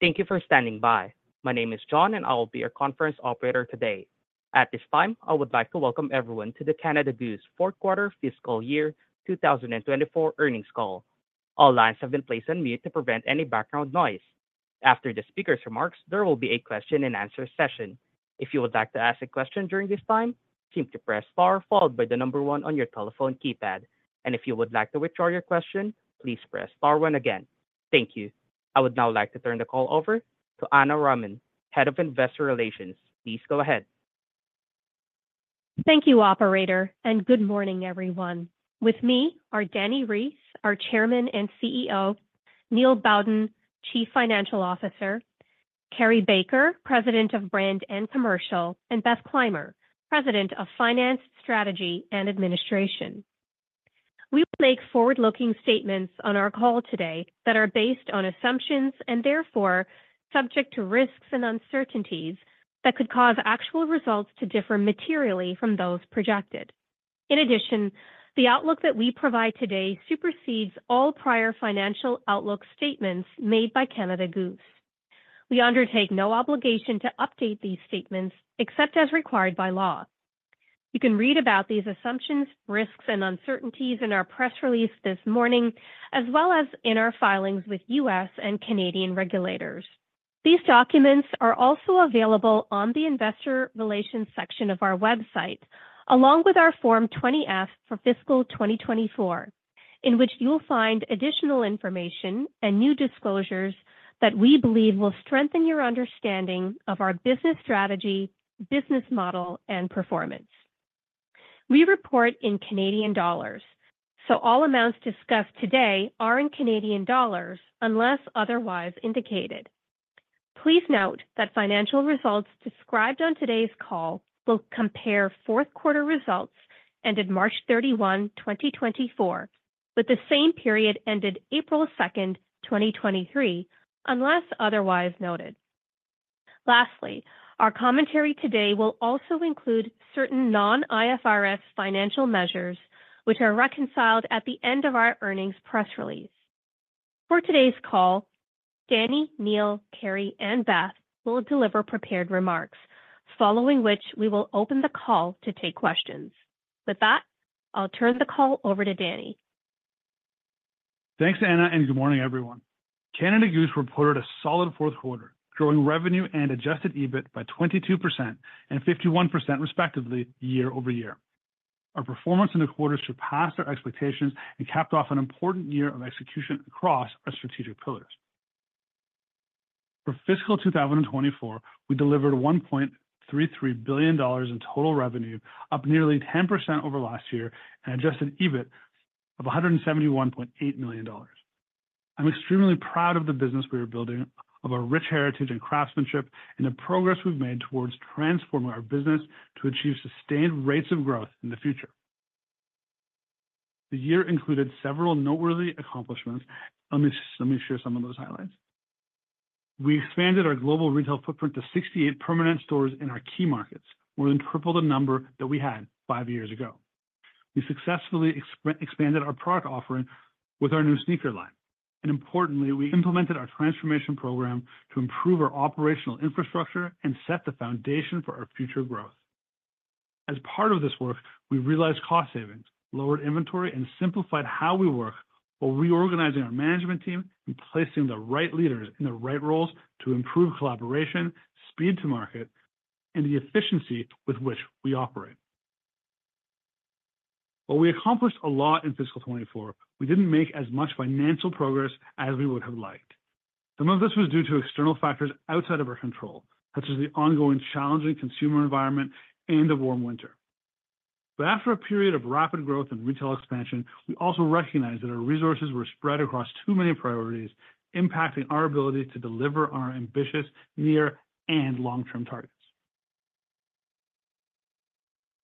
Thank you for standing by. My name is John, and I will be your conference operator today. At this time, I would like to welcome everyone to the Canada Goose fourth quarter fiscal year 2024 earnings call. All lines have been placed on mute to prevent any background noise. After the speaker's remarks, there will be a question and answer session. If you would like to ask a question during this time, simply press star followed by the number one on your telephone keypad. If you would like to withdraw your question, please press star one again. Thank you. I would now like to turn the call over to Ana Raman, Head of Investor Relations. Please go ahead. Thank you, operator, and good morning, everyone. With me are Dani Reiss, our Chairman and CEO, Neil Bowden, Chief Financial Officer, Carrie Baker, President of Brand and Commercial, and Beth Clymer, President of Finance, Strategy, and Administration. We will make forward-looking statements on our call today that are based on assumptions and therefore subject to risks and uncertainties that could cause actual results to differ materially from those projected. In addition, the outlook that we provide today supersedes all prior financial outlook statements made by Canada Goose. We undertake no obligation to update these statements except as required by law. You can read about these assumptions, risks, and uncertainties in our press release this morning, as well as in our filings with U.S. and Canadian regulators. These documents are also available on the investor relations section of our website, along with our Form 20-F for fiscal 2024, in which you'll find additional information and new disclosures that we believe will strengthen your understanding of our business strategy, business model, and performance. We report in Canadian dollars, so all amounts discussed today are in CAD unless otherwise indicated. Please note that financial results described on today's call will compare fourth quarter results ended March 31, 2024, with the same period ended April 2, 2023, unless otherwise noted. Lastly, our commentary today will also include certain non-IFRS financial measures, which are reconciled at the end of our earnings press release. For today's call, Dani, Neil, Carrie, and Beth will deliver prepared remarks, following which we will open the call to take questions. With that, I'll turn the call over to Dani. Thanks, Ana, and good morning, everyone. Canada Goose reported a solid fourth quarter, growing revenue and adjusted EBIT by 22% and 51%, respectively, year-over-year. Our performance in the quarter surpassed our expectations and capped off an important year of execution across our strategic pillars. For fiscal 2024, we delivered 1.33 billion dollars in total revenue, up nearly 10% over last year, and adjusted EBIT of 171.8 million dollars. I'm extremely proud of the business we are building, of our rich heritage and craftsmanship, and the progress we've made towards transforming our business to achieve sustained rates of growth in the future. The year included several noteworthy accomplishments. Let me share some of those highlights. We expanded our global retail footprint to 68 permanent stores in our key markets. We're in triple the number that we had five years ago. We successfully expanded our product offering with our new sneaker line, and importantly, we implemented our transformation program to improve our operational infrastructure and set the foundation for our future growth. As part of this work, we realized cost savings, lowered inventory, and simplified how we work while reorganizing our management team and placing the right leaders in the right roles to improve collaboration, speed to market, and the efficiency with which we operate. While we accomplished a lot in fiscal 2024, we didn't make as much financial progress as we would have liked. Some of this was due to external factors outside of our control, such as the ongoing challenging consumer environment and the warm winter. But after a period of rapid growth and retail expansion, we also recognized that our resources were spread across too many priorities, impacting our ability to deliver our ambitious near and long-term targets.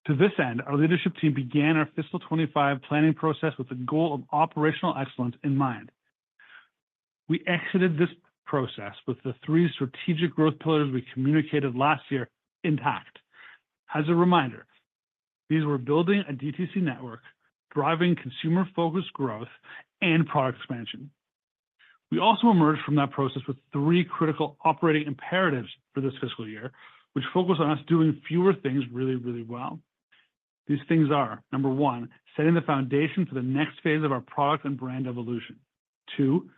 To this end, our leadership team began our fiscal 2025 planning process with the goal of operational excellence in mind. We exited this process with the three strategic growth pillars we communicated last year intact. As a reminder, these were building a DTC network, driving consumer-focused growth, and product expansion. We also emerged from that process with three critical operating imperatives for this fiscal year, which focus on us doing fewer things really, really well. These things are, number one, setting the foundation for the next phase of our product and brand evolution. Two,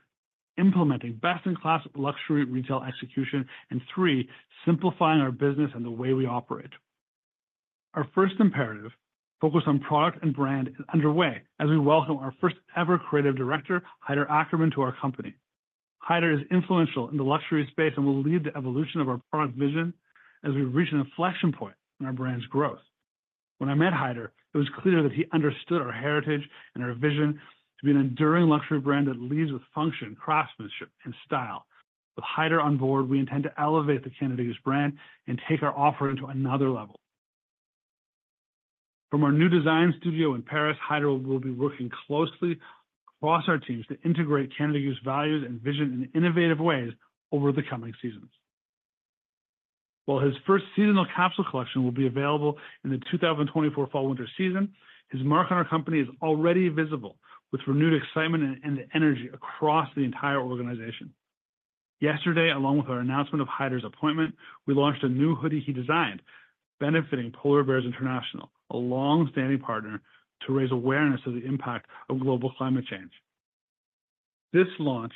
implementing best-in-class luxury retail execution. And three, simplifying our business and the way we operate. Our first imperative, focused on product and brand, is underway as we welcome our first-ever creative director, Haider Ackermann, to our company. Haider is influential in the luxury space and will lead the evolution of our product vision as we reach an inflection point in our brand's growth. When I met Haider, it was clear that he understood our heritage and our vision to be an enduring luxury brand that leads with function, craftsmanship, and style. With Haider on board, we intend to elevate the Canada Goose brand and take our offering to another level. From our new design studio in Paris, Haider will be working closely across our teams to integrate Canada Goose values and vision in innovative ways over the coming seasons... While his first seasonal capsule collection will be available in the 2024 Fall/Winter season, his mark on our company is already visible, with renewed excitement and, and energy across the entire organization. Yesterday, along with our announcement of Haider's appointment, we launched a new hoodie he designed, benefiting Polar Bears International, a long-standing partner to raise awareness of the impact of global climate change. This launch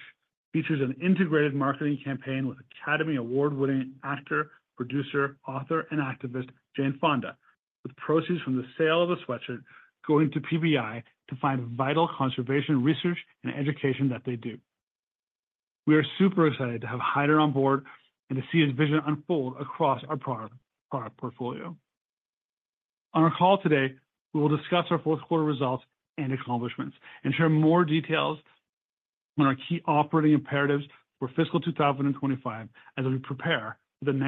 features an integrated marketing campaign with Academy Award-winning actor, producer, author, and activist, Jane Fonda, with proceeds from the sale of the sweatshirt going to PBI to fund vital conservation research and education that they do. We are super excited to have Haider on board and to see his vision unfold across our product, product portfolio. On our call today, we will discuss our fourth quarter results and accomplishments and share more details on our key operating imperatives for fiscal 2025 as we prepare for the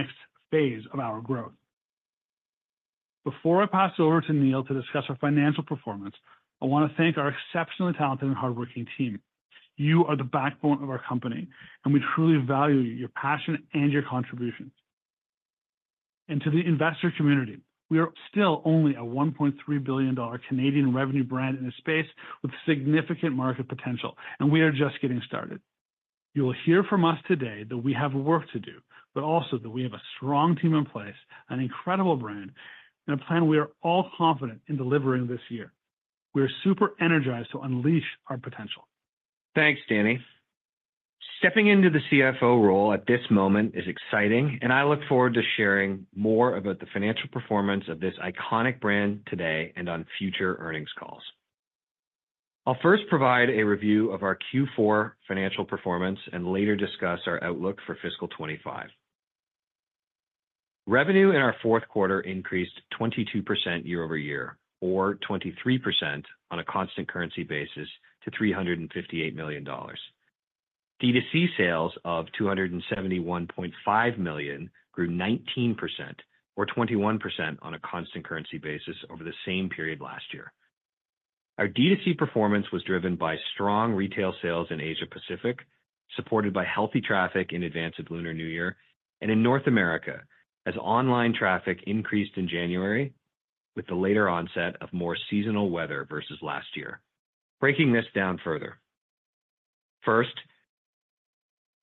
next phase of our growth. Before I pass it over to Neil to discuss our financial performance, I want to thank our exceptionally talented and hardworking team. You are the backbone of our company, and we truly value your passion and your contributions. To the investor community, we are still only a 1.3 billion Canadian dollars Canadian revenue brand in a space with significant market potential, and we are just getting started. You will hear from us today that we have work to do, but also that we have a strong team in place, an incredible brand, and a plan we are all confident in delivering this year. We are super energized to unleash our potential. Thanks, Dani. Stepping into the CFO role at this moment is exciting, and I look forward to sharing more about the financial performance of this iconic brand today and on future earnings calls. I'll first provide a review of our Q4 financial performance and later discuss our outlook for fiscal 2025. Revenue in our fourth quarter increased 22% year-over-year, or 23% on a constant currency basis, to 358 million dollars. DTC sales of 271.5 million grew 19%, or 21% on a constant currency basis over the same period last year. Our DTC performance was driven by strong retail sales in Asia Pacific, supported by healthy traffic in advance of Lunar New Year, and in North America, as online traffic increased in January, with the later onset of more seasonal weather versus last year. Breaking this down further. First,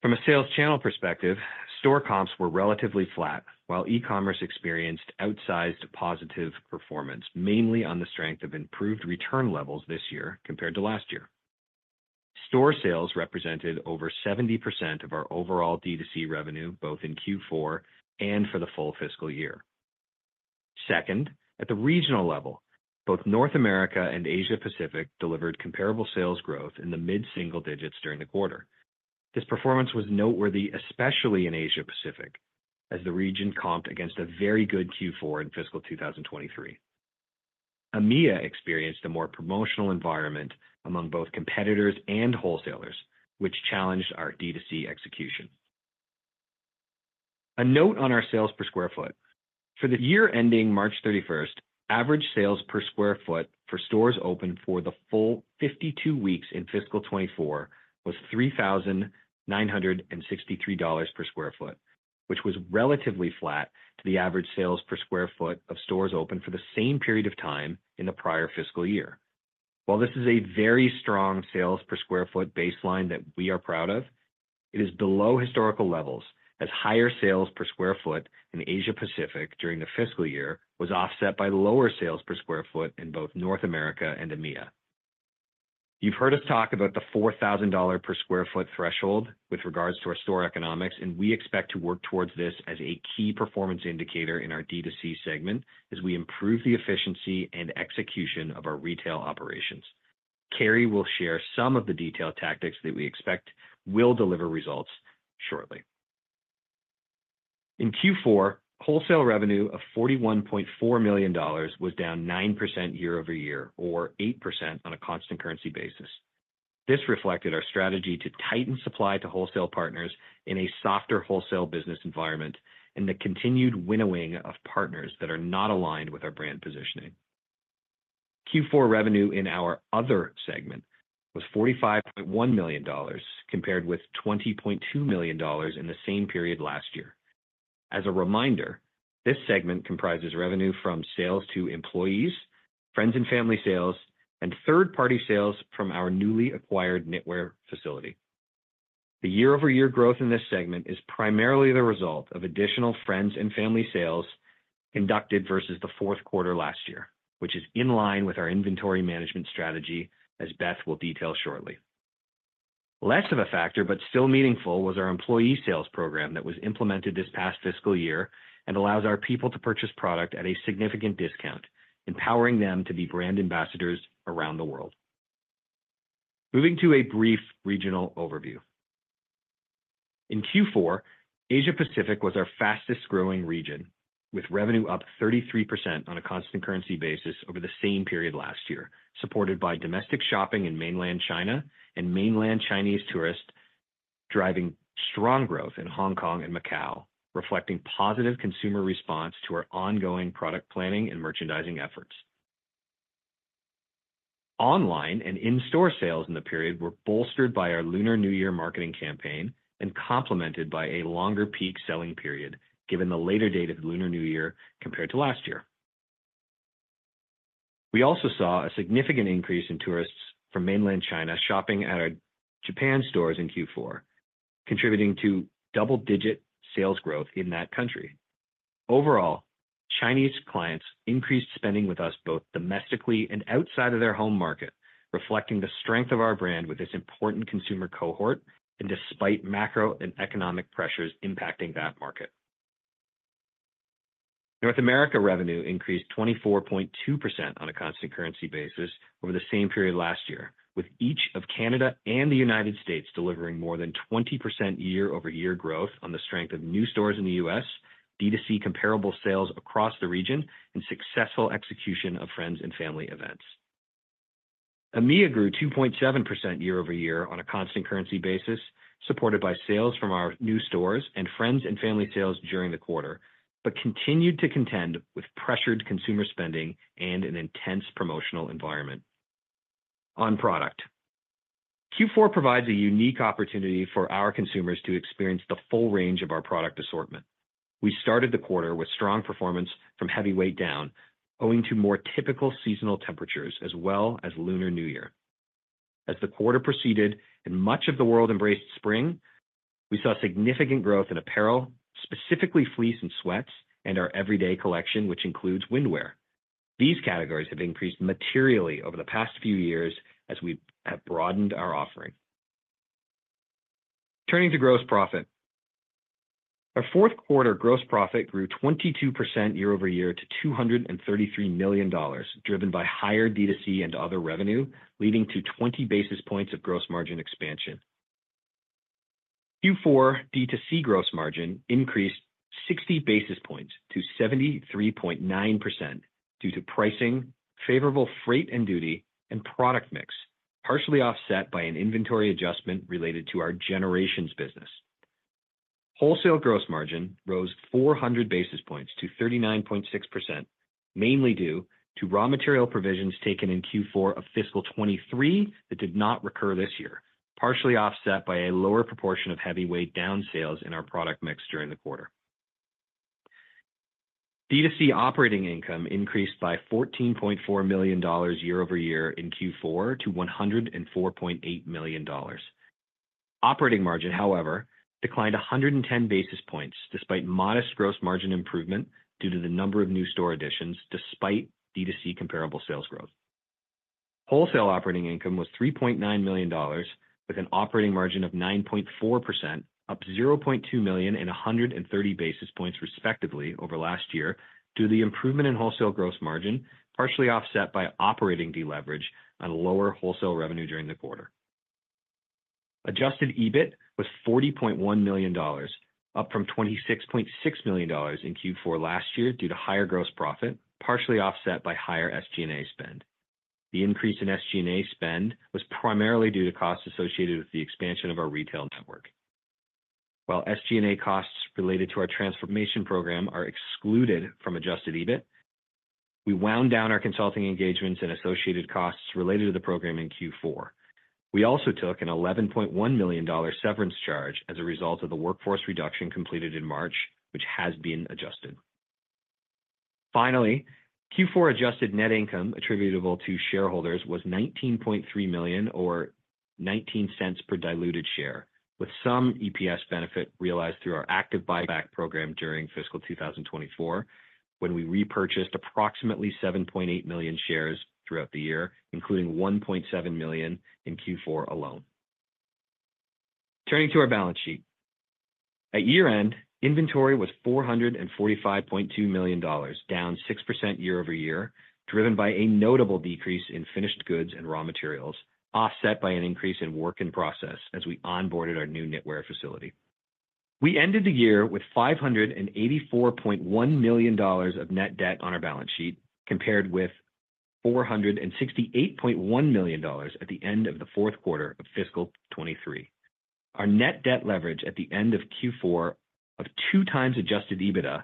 from a sales channel perspective, store comps were relatively flat, while e-commerce experienced outsized positive performance, mainly on the strength of improved return levels this year compared to last year. Store sales represented over 70% of our overall DTC revenue, both in Q4 and for the full fiscal year. Second, at the regional level, both North America and Asia Pacific delivered comparable sales growth in the mid-single digits during the quarter. This performance was noteworthy, especially in Asia Pacific, as the region comped against a very good Q4 in fiscal 2023. EMEA experienced a more promotional environment among both competitors and wholesalers, which challenged our DTC execution. A note on our sales per square foot. For the year ending March 31st, average sales per square foot for stores open for the full 52 weeks in fiscal 2024 was 3,963 dollars per square foot, which was relatively flat to the average sales square foot of stores open for the same period of time in the prior fiscal year. While this is a very strong sales square foot baseline that we are proud of, it is below historical levels, as higher sales square foot in Asia Pacific during the fiscal year was offset by lower sales square foot in both North America and EMEA. You've heard us talk about the 4,000 dollar per square foot threshold with regards to our store economics, and we expect to work towards this as a key performance indicator in our DTC segment as we improve the efficiency and execution of our retail operations. Carrie will share some of the detailed tactics that we expect will deliver results shortly. In Q4, wholesale revenue of 41.4 million dollars was down 9% year-over-year, or 8% on a constant currency basis. This reflected our strategy to tighten supply to wholesale partners in a softer wholesale business environment and the continued winnowing of partners that are not aligned with our brand positioning. Q4 revenue in our other segment was 45.1 million dollars, compared with 20.2 million dollars in the same period last year. As a reminder, this segment comprises revenue from sales to employees, friends and family sales, and third-party sales from our newly acquired knitwear facility. The year-over-year growth in this segment is primarily the result of additional friends and family sales conducted versus the fourth quarter last year, which is in line with our inventory management strategy, as Beth will detail shortly. Less of a factor, but still meaningful, was our employee sales program that was implemented this past fiscal year and allows our people to purchase product at a significant discount, empowering them to be brand ambassadors around the world. Moving to a brief regional overview. In Q4, Asia Pacific was our fastest growing region, with revenue up 33% on a constant currency basis over the same period last year, supported by domestic shopping in Mainland China and Mainland Chinese tourists, driving strong growth in Hong Kong and Macau, reflecting positive consumer response to our ongoing product planning and merchandising efforts. Online and in-store sales in the period were bolstered by our Lunar New Year marketing campaign and complemented by a longer peak selling period, given the later date of the Lunar New Year compared to last year. We also saw a significant increase in tourists from Mainland China shopping at our Japan stores in Q4, contributing to double-digit sales growth in that country. Overall, Chinese clients increased spending with us both domestically and outside of their home market, reflecting the strength of our brand with this important consumer cohort and despite macro and economic pressures impacting that market. North America revenue increased 24.2% on a constant currency basis over the same period last year, with each of Canada and the United States delivering more than 20% year-over-year growth on the strength of new stores in the U.S., DTC comparable sales across the region, and successful execution of friends and family events. EMEA grew 2.7% year-over-year on a constant currency basis, supported by sales from our new stores and friends and family sales during the quarter, but continued to contend with pressured consumer spending and an intense promotional environment on product. Q4 provides a unique opportunity for our consumers to experience the full range of our product assortment. We started the quarter with strong performance from heavyweight down, owing to more typical seasonal temperatures as well as Lunar New Year. As the quarter proceeded and much of the world embraced spring, we saw significant growth in apparel, specifically fleece and sweats, and our everyday collection, which includes windwear. These categories have increased materially over the past few years as we have broadened our offering. Turning to gross profit. Our fourth quarter gross profit grew 22% year-over-year to 233 million dollars, driven by higher DTC and other revenue, leading to 20 basis points of gross margin expansion. Q4 DTC gross margin increased 60 basis points to 73.9% due to pricing, favorable freight and duty, and product mix, partially offset by an inventory adjustment related to our Generations business. Wholesale gross margin rose 400 basis points to 39.6%, mainly due to raw material provisions taken in Q4 of fiscal 2023 that did not recur this year, partially offset by a lower proportion of heavyweight down sales in our product mix during the quarter. DTC operating income increased by 14.4 million dollars year-over-year in Q4 to 104.8 million dollars. Operating margin, however, declined 110 basis points, despite modest gross margin improvement due to the number of new store additions, despite DTC comparable sales growth. Wholesale operating income was 3.9 million dollars, with an operating margin of 9.4%, up 0.2 million and 130 basis points respectively over last year, due to the improvement in wholesale gross margin, partially offset by operating deleverage on lower wholesale revenue during the quarter. Adjusted EBIT was 40.1 million dollars, up from 26.6 million dollars in Q4 last year due to higher gross profit, partially offset by higher SG&A spend. The increase in SG&A spend was primarily due to costs associated with the expansion of our retail network. While SG&A costs related to our transformation program are excluded from adjusted EBIT, we wound down our consulting engagements and associated costs related to the program in Q4. We also took a 11.1 million dollar severance charge as a result of the workforce reduction completed in March, which has been adjusted. Finally, Q4 adjusted net income attributable to shareholders was 19.3 million, or 0.19 per diluted share, with some EPS benefit realized through our active buyback program during fiscal 2024, when we repurchased approximately 7.8 million shares throughout the year, including 1.7 million in Q4 alone. Turning to our balance sheet. At year-end, inventory was 445.2 million dollars, down 6% year-over-year, driven by a notable decrease in finished goods and raw materials, offset by an increase in work in process as we onboarded our new knitwear facility. We ended the year with 584.1 million dollars of net debt on our balance sheet, compared with 468.1 million dollars at the end of the fourth quarter of fiscal 2023. Our net debt leverage at the end of Q4 of 2x adjusted EBITDA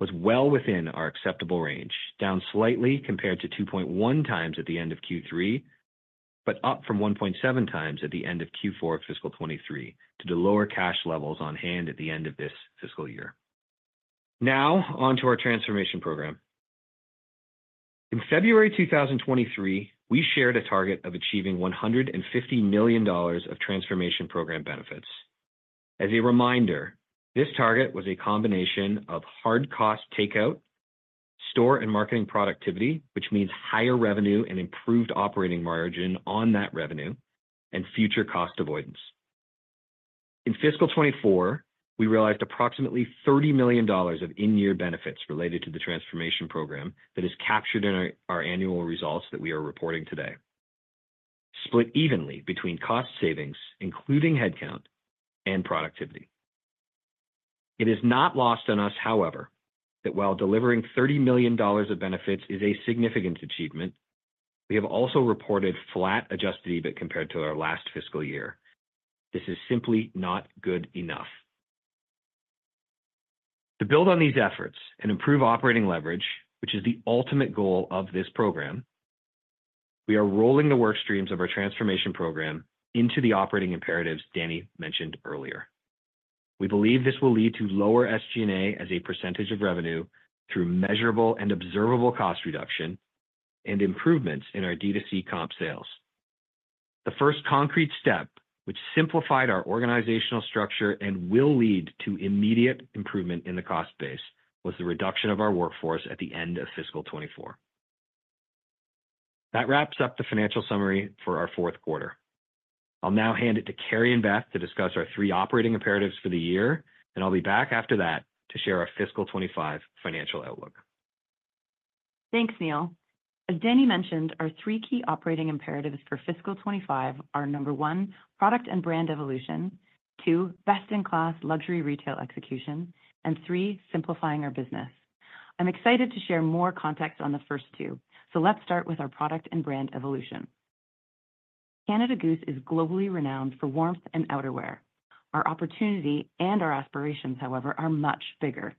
was well within our acceptable range, down slightly compared to 2.1x at the end of Q3, but up from 1.7x at the end of Q4 of fiscal 2023, due to lower cash levels on hand at the end of this fiscal year. Now, on to our transformation program. In February 2023, we shared a target of achieving 150 million dollars of transformation program benefits. As a reminder, this target was a combination of hard cost takeout, store and marketing productivity, which means higher revenue and improved operating margin on that revenue, and future cost avoidance. In fiscal 2024, we realized approximately 30 million dollars of in-year benefits related to the transformation program that is captured in our annual results that we are reporting today, split evenly between cost savings, including headcount and productivity. It is not lost on us, however, that while delivering 30 million dollars of benefits is a significant achievement, we have also reported flat adjusted EBIT compared to our last fiscal year. This is simply not good enough. To build on these efforts and improve operating leverage, which is the ultimate goal of this program, we are rolling the work streams of our transformation program into the operating imperatives Dani mentioned earlier. We believe this will lead to lower SG&A as a percentage of revenue through measurable and observable cost reduction and improvements in our DTC comp sales. The first concrete step, which simplified our organizational structure and will lead to immediate improvement in the cost base, was the reduction of our workforce at the end of fiscal 2024. That wraps up the financial summary for our fourth quarter. I'll now hand it to Carrie and Beth to discuss our three operating imperatives for the year, and I'll be back after that to share our fiscal 2025 financial outlook. Thanks, Neil. As Dani mentioned, our three key operating imperatives for fiscal 2025 are, number one, product and brand evolution, two, best-in-class luxury retail execution, and three, simplifying our business. I'm excited to share more context on the first two, so let's start with our product and brand evolution. Canada Goose is globally renowned for warmth and outerwear. Our opportunity and our aspirations, however, are much bigger.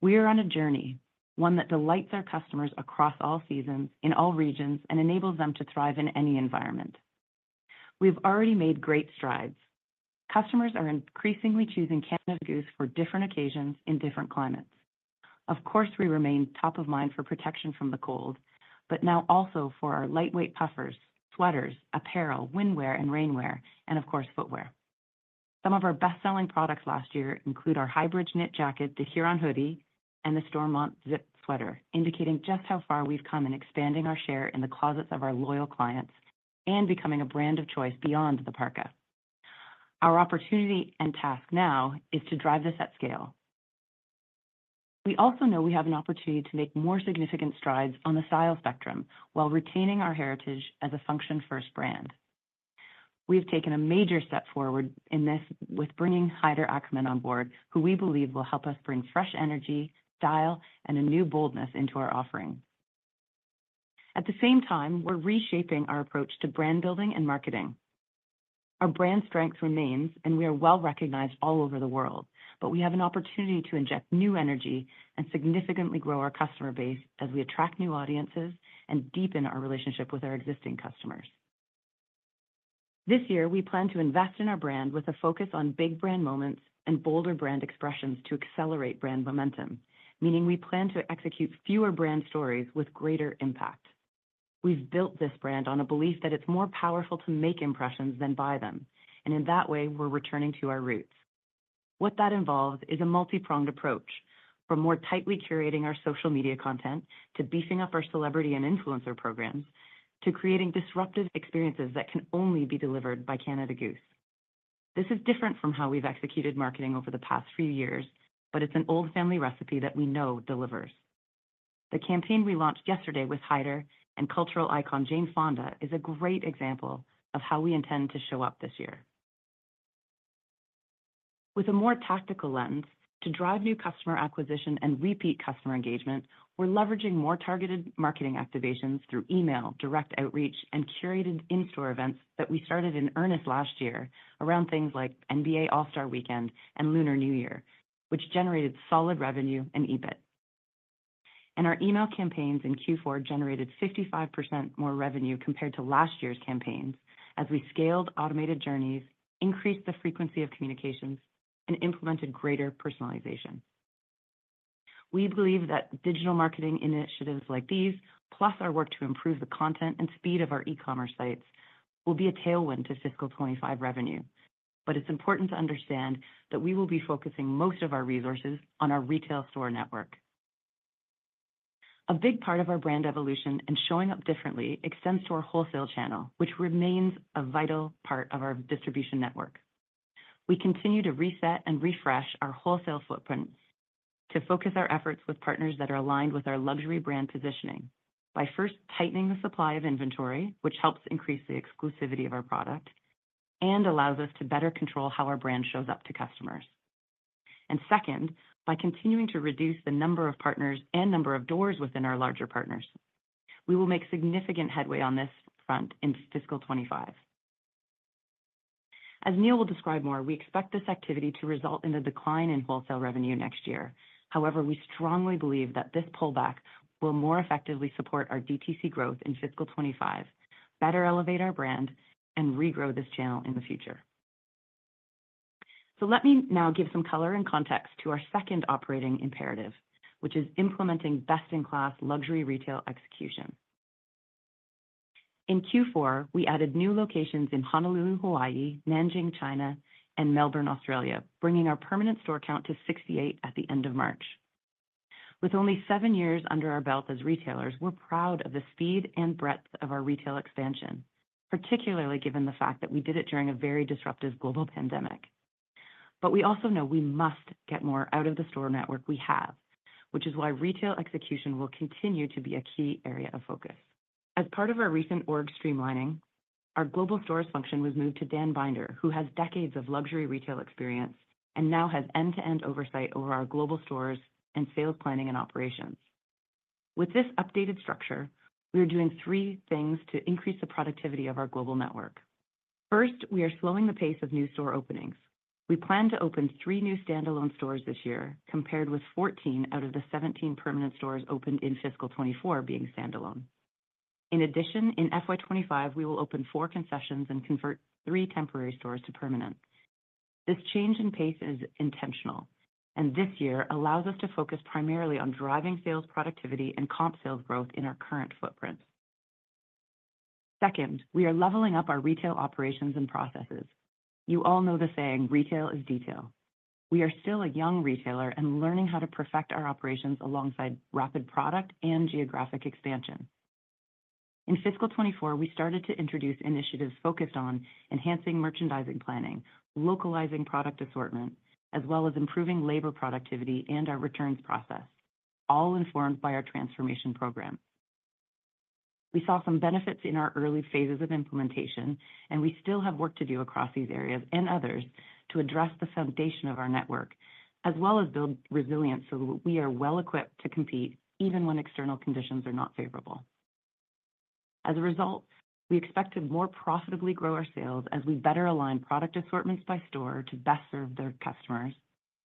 We are on a journey, one that delights our customers across all seasons, in all regions, and enables them to thrive in any environment. We've already made great strides. Customers are increasingly choosing Canada Goose for different occasions in different climates. Of course, we remain top of mind for protection from the cold, but now also for our lightweight puffers, sweaters, apparel, windwear, and rainwear, and of course, footwear. Some of our best-selling products last year include our HyBridge knit jacket, the Huron Hoody, and the Stormont zip sweater, indicating just how far we've come in expanding our share in the closets of our loyal clients and becoming a brand of choice beyond the parka. Our opportunity and task now is to drive this at scale. We also know we have an opportunity to make more significant strides on the style spectrum while retaining our heritage as a function-first brand. We've taken a major step forward in this with bringing Haider Ackermann on board, who we believe will help us bring fresh energy, style, and a new boldness into our offering. At the same time, we're reshaping our approach to brand building and marketing. Our brand strength remains, and we are well-recognized all over the world, but we have an opportunity to inject new energy and significantly grow our customer base as we attract new audiences and deepen our relationship with our existing customers. This year, we plan to invest in our brand with a focus on big brand moments and bolder brand expressions to accelerate brand momentum, meaning we plan to execute fewer brand stories with greater impact. We've built this brand on a belief that it's more powerful to make impressions than buy them, and in that way, we're returning to our roots. What that involves is a multipronged approach, from more tightly curating our social media content, to beefing up our celebrity and influencer programs, to creating disruptive experiences that can only be delivered by Canada Goose. This is different from how we've executed marketing over the past few years, but it's an old family recipe that we know delivers. The campaign we launched yesterday with Haider and cultural icon, Jane Fonda, is a great example of how we intend to show up this year. With a more tactical lens to drive new customer acquisition and repeat customer engagement, we're leveraging more targeted marketing activations through email, direct outreach, and curated in-store events that we started in earnest last year around things like NBA All-Star Weekend and Lunar New Year, which generated solid revenue and EBIT. Our email campaigns in Q4 generated 55% more revenue compared to last year's campaigns, as we scaled automated journeys, increased the frequency of communications, and implemented greater personalization. We believe that digital marketing initiatives like these, plus our work to improve the content and speed of our e-commerce sites, will be a tailwind to fiscal 2025 revenue. But it's important to understand that we will be focusing most of our resources on our retail store network. A big part of our brand evolution and showing up differently extends to our wholesale channel, which remains a vital part of our distribution network. We continue to reset and refresh our wholesale footprint to focus our efforts with partners that are aligned with our luxury brand positioning by first tightening the supply of inventory, which helps increase the exclusivity of our product and allows us to better control how our brand shows up to customers. Second, by continuing to reduce the number of partners and number of doors within our larger partners, we will make significant headway on this front in fiscal 2025. As Neil will describe more, we expect this activity to result in a decline in wholesale revenue next year. However, we strongly believe that this pullback will more effectively support our DTC growth in fiscal 2025, better elevate our brand, and regrow this channel in the future. Let me now give some color and context to our second operating imperative, which is implementing best-in-class luxury retail execution. In Q4, we added new locations in Honolulu, Hawaii, Nanjing, China, and Melbourne, Australia, bringing our permanent store count to 68 at the end of March. With only seven years under our belt as retailers, we're proud of the speed and breadth of our retail expansion, particularly given the fact that we did it during a very disruptive global pandemic. But we also know we must get more out of the store network we have, which is why retail execution will continue to be a key area of focus. As part of our recent org streamlining, our global stores function was moved to Dan Binder, who has decades of luxury retail experience and now has end-to-end oversight over our global stores and sales planning and operations.... With this updated structure, we are doing three things to increase the productivity of our global network. First, we are slowing the pace of new store openings. We plan to open three new standalone stores this year, compared with 14 out of the 17 permanent stores opened in fiscal 2024 being standalone. In addition, in FY 2025, we will open four concessions and convert three temporary stores to permanent. This change in pace is intentional, and this year allows us to focus primarily on driving sales productivity and comp sales growth in our current footprint. Second, we are leveling up our retail operations and processes. You all know the saying, "Retail is detail." We are still a young retailer and learning how to perfect our operations alongside rapid product and geographic expansion. In fiscal 2024, we started to introduce initiatives focused on enhancing merchandising planning, localizing product assortment, as well as improving labor productivity and our returns process, all informed by our transformation program. We saw some benefits in our early phases of implementation, and we still have work to do across these areas and others to address the foundation of our network, as well as build resilience so we are well equipped to compete even when external conditions are not favorable. As a result, we expect to more profitably grow our sales as we better align product assortments by store to best serve their customers,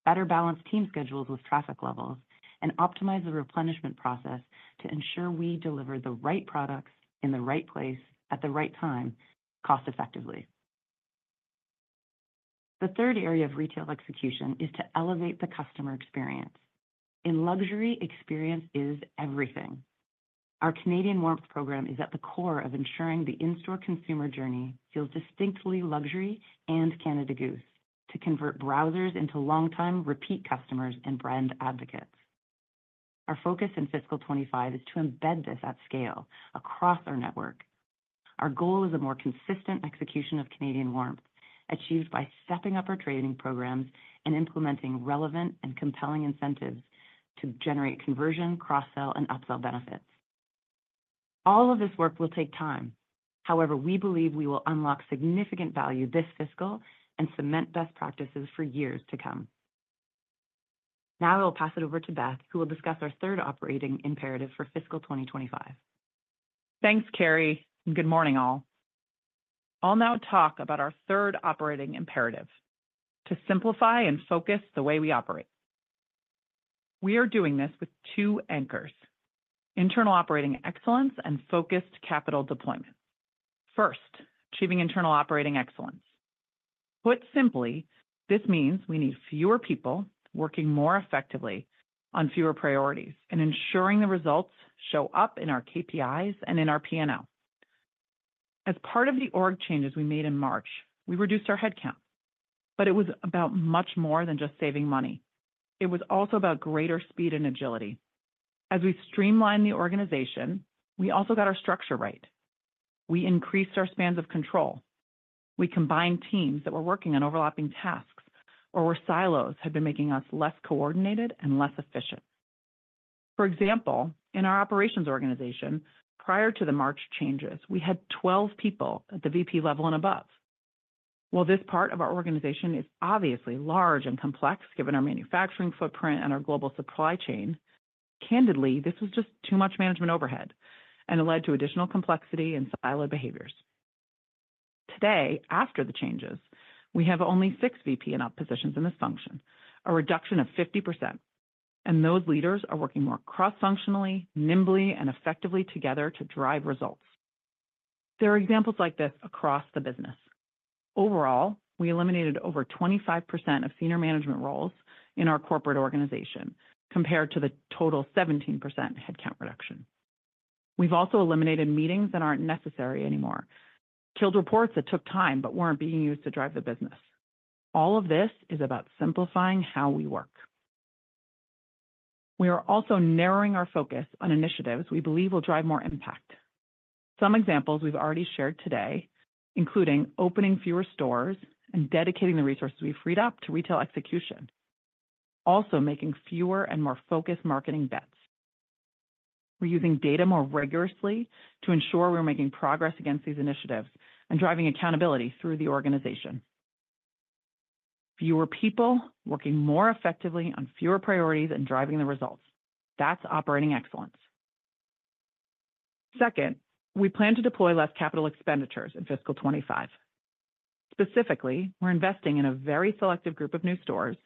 better balance team schedules with traffic levels, and optimize the replenishment process to ensure we deliver the right products in the right place at the right time, cost effectively. The third area of retail execution is to elevate the customer experience. In luxury, experience is everything. Our Canadian Warmth program is at the core of ensuring the in-store consumer journey feels distinctly luxury and Canada Goose, to convert browsers into long-time repeat customers and brand advocates. Our focus in fiscal 2025 is to embed this at scale across our network. Our goal is a more consistent execution of Canadian Warmth, achieved by stepping up our training programs and implementing relevant and compelling incentives to generate conversion, cross-sell, and upsell benefits. All of this work will take time. However, we believe we will unlock significant value this fiscal and cement best practices for years to come. Now I will pass it over to Beth, who will discuss our third operating imperative for fiscal 2025. Thanks, Carrie, and good morning, all. I'll now talk about our third operating imperative: to simplify and focus the way we operate. We are doing this with two anchors, internal operating excellence and focused capital deployment. First, achieving internal operating excellence. Put simply, this means we need fewer people working more effectively on fewer priorities and ensuring the results show up in our KPIs and in our P&L. As part of the org changes we made in March, we reduced our headcount, but it was about much more than just saving money. It was also about greater speed and agility. As we streamlined the organization, we also got our structure right. We increased our spans of control. We combined teams that were working on overlapping tasks or where silos had been making us less coordinated and less efficient. For example, in our operations organization, prior to the March changes, we had 12 people at the VP level and above. While this part of our organization is obviously large and complex, given our manufacturing footprint and our global supply chain, candidly, this was just too much management overhead, and it led to additional complexity and siloed behaviors. Today, after the changes, we have only six VP and up positions in this function, a reduction of 50%, and those leaders are working more cross-functionally, nimbly, and effectively together to drive results. There are examples like this across the business. Overall, we eliminated over 25% of senior management roles in our corporate organization compared to the total 17% headcount reduction. We've also eliminated meetings that aren't necessary anymore, killed reports that took time but weren't being used to drive the business. All of this is about simplifying how we work. We are also narrowing our focus on initiatives we believe will drive more impact. Some examples we've already shared today, including opening fewer stores and dedicating the resources we've freed up to retail execution, also making fewer and more focused marketing bets. We're using data more rigorously to ensure we're making progress against these initiatives and driving accountability through the organization. Fewer people working more effectively on fewer priorities and driving the results. That's operating excellence. Second, we plan to deploy less capital expenditures in fiscal 2025. Specifically, we're investing in a very selective group of new stores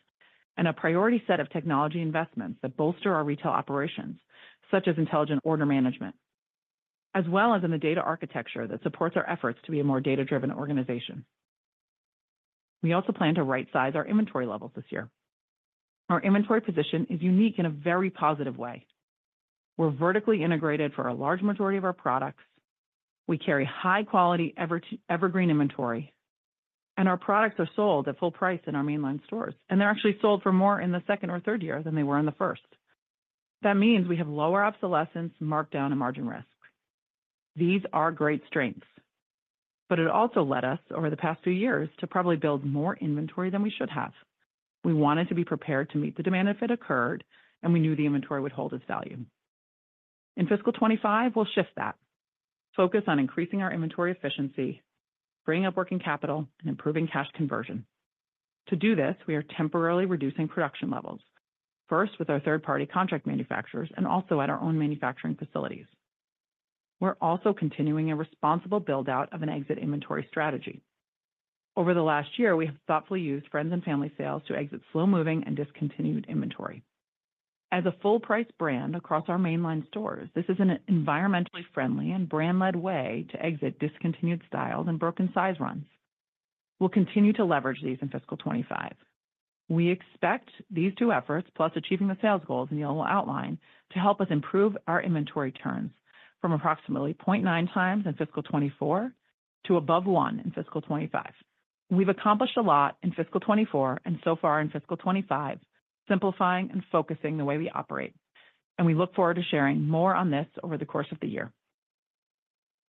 and a priority set of technology investments that bolster our retail operations, such as intelligent order management, as well as in the data architecture that supports our efforts to be a more data-driven organization. We also plan to rightsize our inventory levels this year. Our inventory position is unique in a very positive way. We're vertically integrated for a large majority of our products. We carry high quality evergreen inventory, and our products are sold at full price in our mainline stores, and they're actually sold for more in the second or third year than they were in the first. That means we have lower obsolescence, markdown, and margin risk. These are great strengths, but it also led us, over the past few years, to probably build more inventory than we should have. We wanted to be prepared to meet the demand if it occurred, and we knew the inventory would hold its value. In fiscal 2025, we'll shift that, focus on increasing our inventory efficiency, freeing up working capital, and improving cash conversion.... To do this, we are temporarily reducing production levels, first with our third-party contract manufacturers and also at our own manufacturing facilities. We're also continuing a responsible build-out of an exit inventory strategy. Over the last year, we have thoughtfully used friends and family sales to exit slow-moving and discontinued inventory. As a full-price brand across our mainline stores, this is an environmentally friendly and brand-led way to exit discontinued styles and broken size runs. We'll continue to leverage these in fiscal 2025. We expect these two efforts, plus achieving the sales goals Neil will outline, to help us improve our inventory turns from approximately 0.9x in fiscal 2024 to above one in fiscal 2025. We've accomplished a lot in fiscal 2024 and so far in fiscal 2025, simplifying and focusing the way we operate, and we look forward to sharing more on this over the course of the year.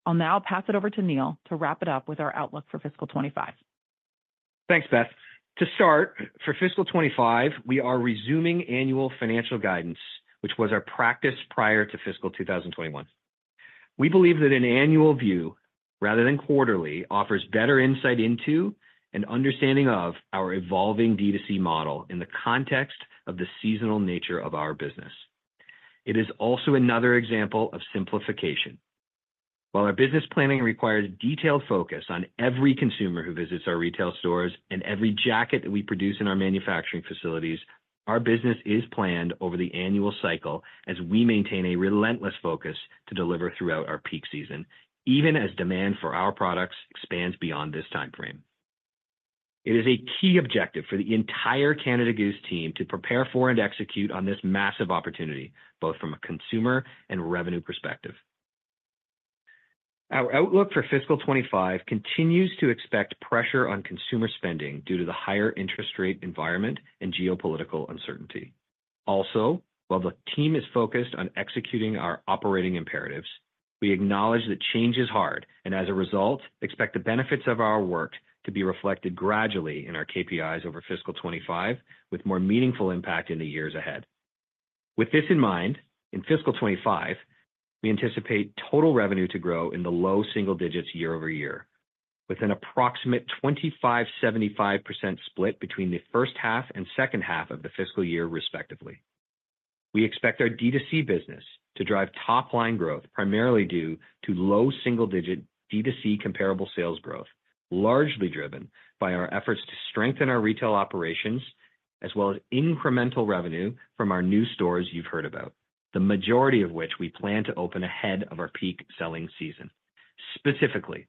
I'll now pass it over to Neil to wrap it up with our outlook for fiscal 2025. Thanks, Beth. To start, for fiscal 2025, we are resuming annual financial guidance, which was our practice prior to fiscal 2021. We believe that an annual view, rather than quarterly, offers better insight into and understanding of our evolving DTC model in the context of the seasonal nature of our business. It is also another example of simplification. While our business planning requires detailed focus on every consumer who visits our retail stores and every jacket that we produce in our manufacturing facilities, our business is planned over the annual cycle as we maintain a relentless focus to deliver throughout our peak season, even as demand for our products expands beyond this time frame. It is a key objective for the entire Canada Goose team to prepare for and execute on this massive opportunity, both from a consumer and revenue perspective. Our outlook for fiscal 2025 continues to expect pressure on consumer spending due to the higher interest rate environment and geopolitical uncertainty. Also, while the team is focused on executing our operating imperatives, we acknowledge that change is hard, and as a result, expect the benefits of our work to be reflected gradually in our KPIs over fiscal 2025, with more meaningful impact in the years ahead. With this in mind, in fiscal 2025, we anticipate total revenue to grow in the low single digits year-over-year, with an approximate 25%-75% split between the first half and second half of the fiscal year, respectively. We expect our DTC business to drive top-line growth, primarily due to low single-digit DTC comparable sales growth, largely driven by our efforts to strengthen our retail operations, as well as incremental revenue from our new stores you've heard about, the majority of which we plan to open ahead of our peak selling season. Specifically,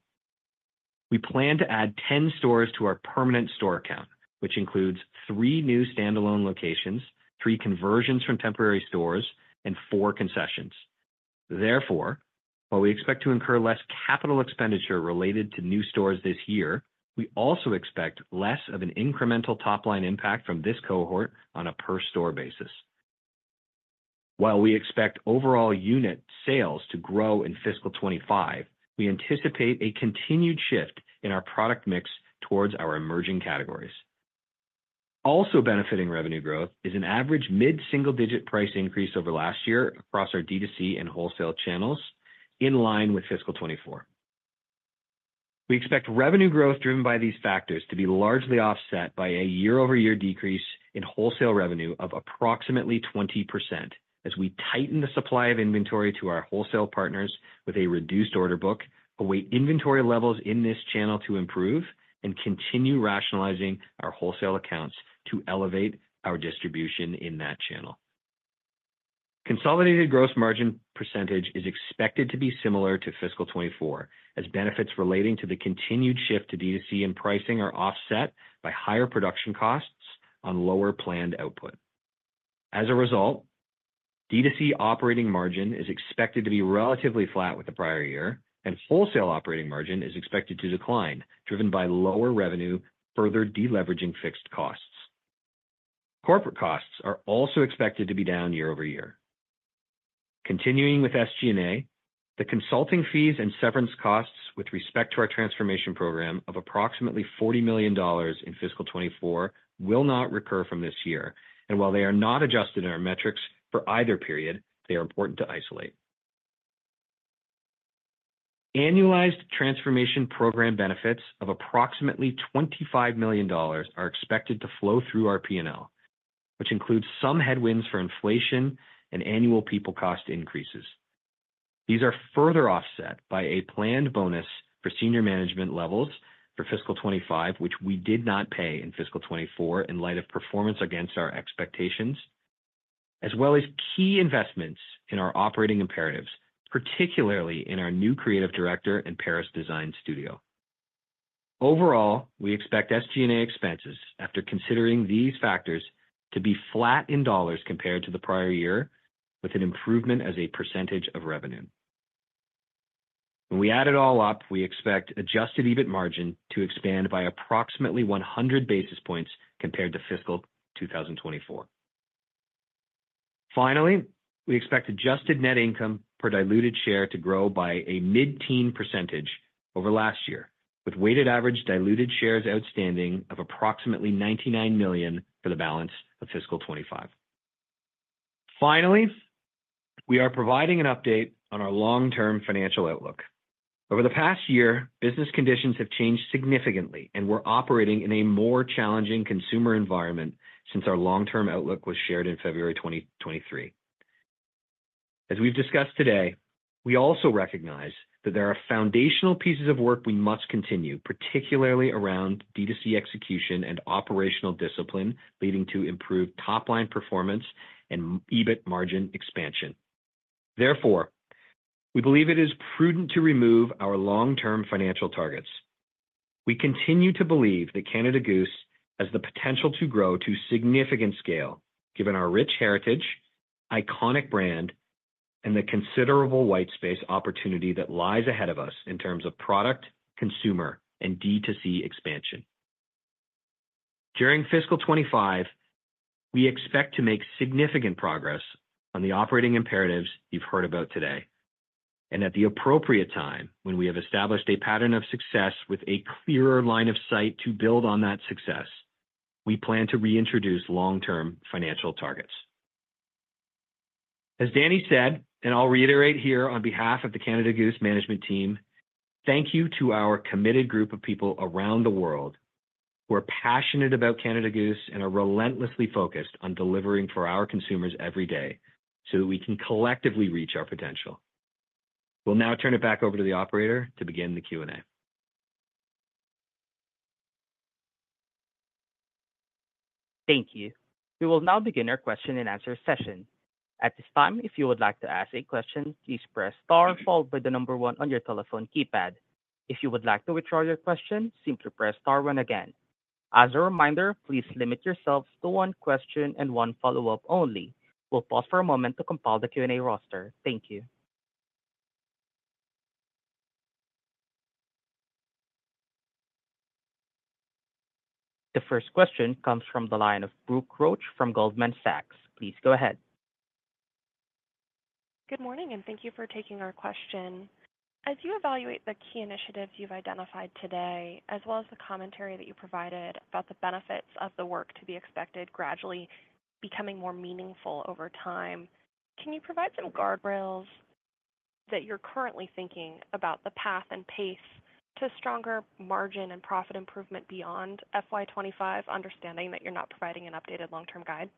we plan to add 10 stores to our permanent store count, which includes three new standalone locations, three conversions from temporary stores, and four concessions. Therefore, while we expect to incur less capital expenditure related to new stores this year, we also expect less of an incremental top-line impact from this cohort on a per-store basis. While we expect overall unit sales to grow in fiscal 2025, we anticipate a continued shift in our product mix towards our emerging categories. Also benefiting revenue growth is an average mid-single-digit price increase over last year across our DTC and wholesale channels, in line with fiscal 2024. We expect revenue growth driven by these factors to be largely offset by a year-over-year decrease in wholesale revenue of approximately 20% as we tighten the supply of inventory to our wholesale partners with a reduced order book, await inventory levels in this channel to improve, and continue rationalizing our wholesale accounts to elevate our distribution in that channel. Consolidated gross margin percentage is expected to be similar to fiscal 2024, as benefits relating to the continued shift to DTC and pricing are offset by higher production costs on lower planned output. As a result, DTC operating margin is expected to be relatively flat with the prior year, and wholesale operating margin is expected to decline, driven by lower revenue, further deleveraging fixed costs. Corporate costs are also expected to be down year-over-year. Continuing with SG&A, the consulting fees and severance costs with respect to our transformation program of approximately 40 million dollars in fiscal 2024 will not recur from this year, and while they are not adjusted in our metrics for either period, they are important to isolate. Annualized transformation program benefits of approximately 25 million dollars are expected to flow through our P&L, which includes some headwinds for inflation and annual people cost increases. These are further offset by a planned bonus for senior management levels for fiscal 2025, which we did not pay in fiscal 2024 in light of performance against our expectations, as well as key investments in our operating imperatives, particularly in our new creative director and Paris design studio. Overall, we expect SG&A expenses, after considering these factors, to be flat in dollars compared to the prior year, with an improvement as a percentage of revenue. When we add it all up, we expect adjusted EBIT margin to expand by approximately 100 basis points compared to fiscal 2024. Finally, we expect adjusted net income per diluted share to grow by a mid-teens percentage over last year, with weighted average diluted shares outstanding of approximately 99 million for the balance of fiscal 2025. Finally, we are providing an update on our long-term financial outlook. Over the past year, business conditions have changed significantly, and we're operating in a more challenging consumer environment since our long-term outlook was shared in February 2023. As we've discussed today, we also recognize that there are foundational pieces of work we must continue, particularly around DTC execution and operational discipline, leading to improved top-line performance and EBIT margin expansion. Therefore, we believe it is prudent to remove our long-term financial targets. We continue to believe that Canada Goose has the potential to grow to significant scale, given our rich heritage, iconic brand, and the considerable white space opportunity that lies ahead of us in terms of product, consumer, and DTC expansion. During fiscal 2025, we expect to make significant progress on the operating imperatives you've heard about today, and at the appropriate time, when we have established a pattern of success with a clearer line of sight to build on that success, we plan to reintroduce long-term financial targets. As Dani said, and I'll reiterate here on behalf of the Canada Goose management team, thank you to our committed group of people around the world who are passionate about Canada Goose and are relentlessly focused on delivering for our consumers every day so that we can collectively reach our potential. We'll now turn it back over to the operator to begin the Q&A. Thank you. We will now begin our question and answer session. At this time, if you would like to ask a question, please press star, followed by the number one on your telephone keypad. If you would like to withdraw your question, simply press star one again. As a reminder, please limit yourselves to one question and one follow-up only. We'll pause for a moment to compile the Q&A roster. Thank you. The first question comes from the line of Brooke Roach from Goldman Sachs. Please go ahead. Good morning, and thank you for taking our question. As you evaluate the key initiatives you've identified today, as well as the commentary that you provided about the benefits of the work to be expected gradually becoming more meaningful over time, can you provide some guardrails that you're currently thinking about the path and pace to stronger margin and profit improvement beyond FY 2025, understanding that you're not providing an updated long-term guide?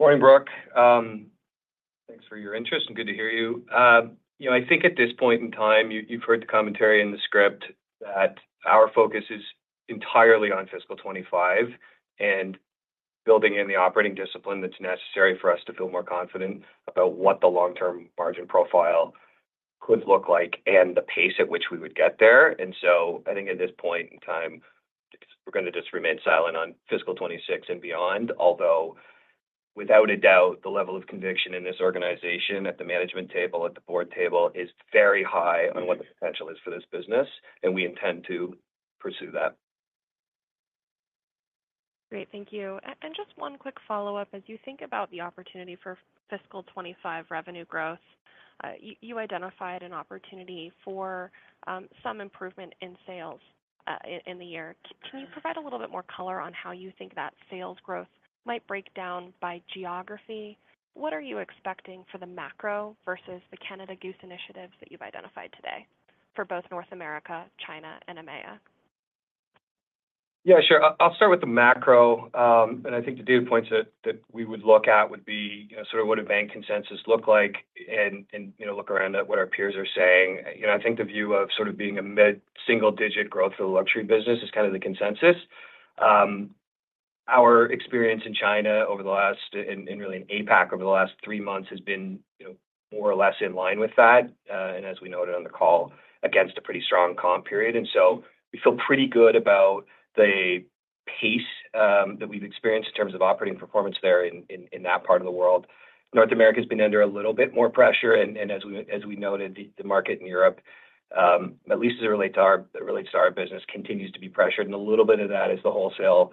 Morning, Brooke. Thanks for your interest and good to hear you. You know, I think at this point in time, you, you've heard the commentary in the script that our focus is entirely on fiscal 2025 and building in the operating discipline that's necessary for us to feel more confident about what the long-term margin profile could look like and the pace at which we would get there. And so I think at this point in time, we're gonna just remain silent on fiscal 2026 and beyond. Although, without a doubt, the level of conviction in this organization at the management table, at the board table, is very high on what the potential is for this business, and we intend to pursue that. Great. Thank you. And just one quick follow-up. As you think about the opportunity for fiscal 2025 revenue growth, you identified an opportunity for some improvement in sales in the year. Can you provide a little bit more color on how you think that sales growth might break down by geography? What are you expecting for the macro versus the Canada Goose initiatives that you've identified today for both North America, China, and EMEA? Yeah, sure. I'll start with the macro, and I think the data points that we would look at would be, you know, sort of what a bank consensus look like and, you know, look around at what our peers are saying. You know, I think the view of sort of being a mid-single-digit growth for the luxury business is kind of the consensus. Our experience in China over the last and really in APAC over the last three months has been, you know, more or less in line with that, and as we noted on the call, against a pretty strong comp period. So we feel pretty good about the pace that we've experienced in terms of operating performance there in that part of the world. North America has been under a little bit more pressure, and as we noted, the market in Europe, at least as it relates to our business, continues to be pressured, and a little bit of that is the wholesale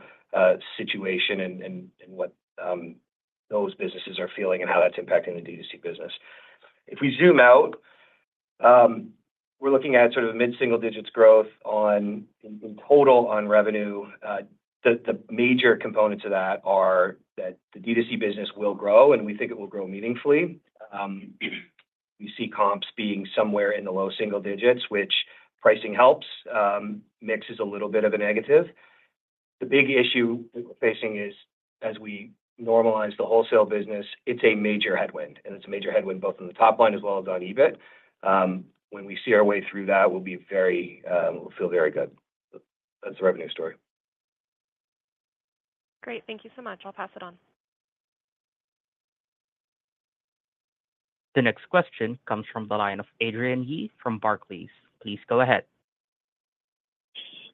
situation and what those businesses are feeling and how that's impacting the DTC business. If we zoom out, we're looking at sort of mid-single digits growth on, in total on revenue. The major components of that are that the DTC business will grow, and we think it will grow meaningfully. We see comps being somewhere in the low single digits, which pricing helps. Mix is a little bit of a negative. The big issue that we're facing is, as we normalize the wholesale business, it's a major headwind, and it's a major headwind both on the top line as well as on EBIT. When we see our way through that, we'll be very, we'll feel very good. That's the revenue story. Great. Thank you so much. I'll pass it on. The next question comes from the line of Adrienne Yih from Barclays. Please go ahead.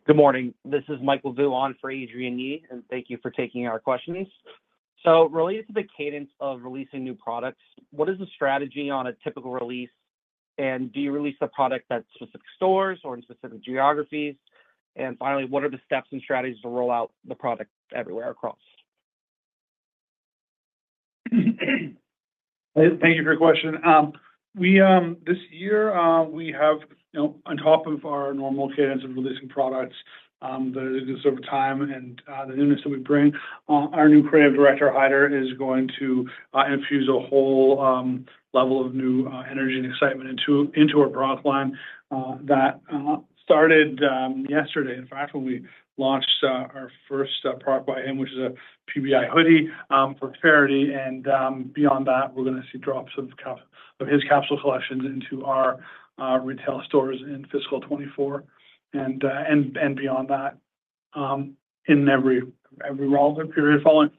Good morning. This is Michael Vu on for Adrienne Yih, and thank you for taking our questions. So related to the cadence of releasing new products, what is the strategy on a typical release, and do you release a product at specific stores or in specific geographies? And finally, what are the steps and strategies to roll out the product everywhere across? Thank you for your question. We this year we have, you know, on top of our normal cadence of releasing products that is over time and the newness that we bring, our new creative director, Haider, is going to infuse a whole level of new energy and excitement into our product line. That started yesterday. In fact, when we launched our first product by him, which is a PBI hoodie for PBI. And beyond that, we're gonna see drops of cap- of his capsule collections into our retail stores in fiscal 2024 and, and beyond that, in every all other period following.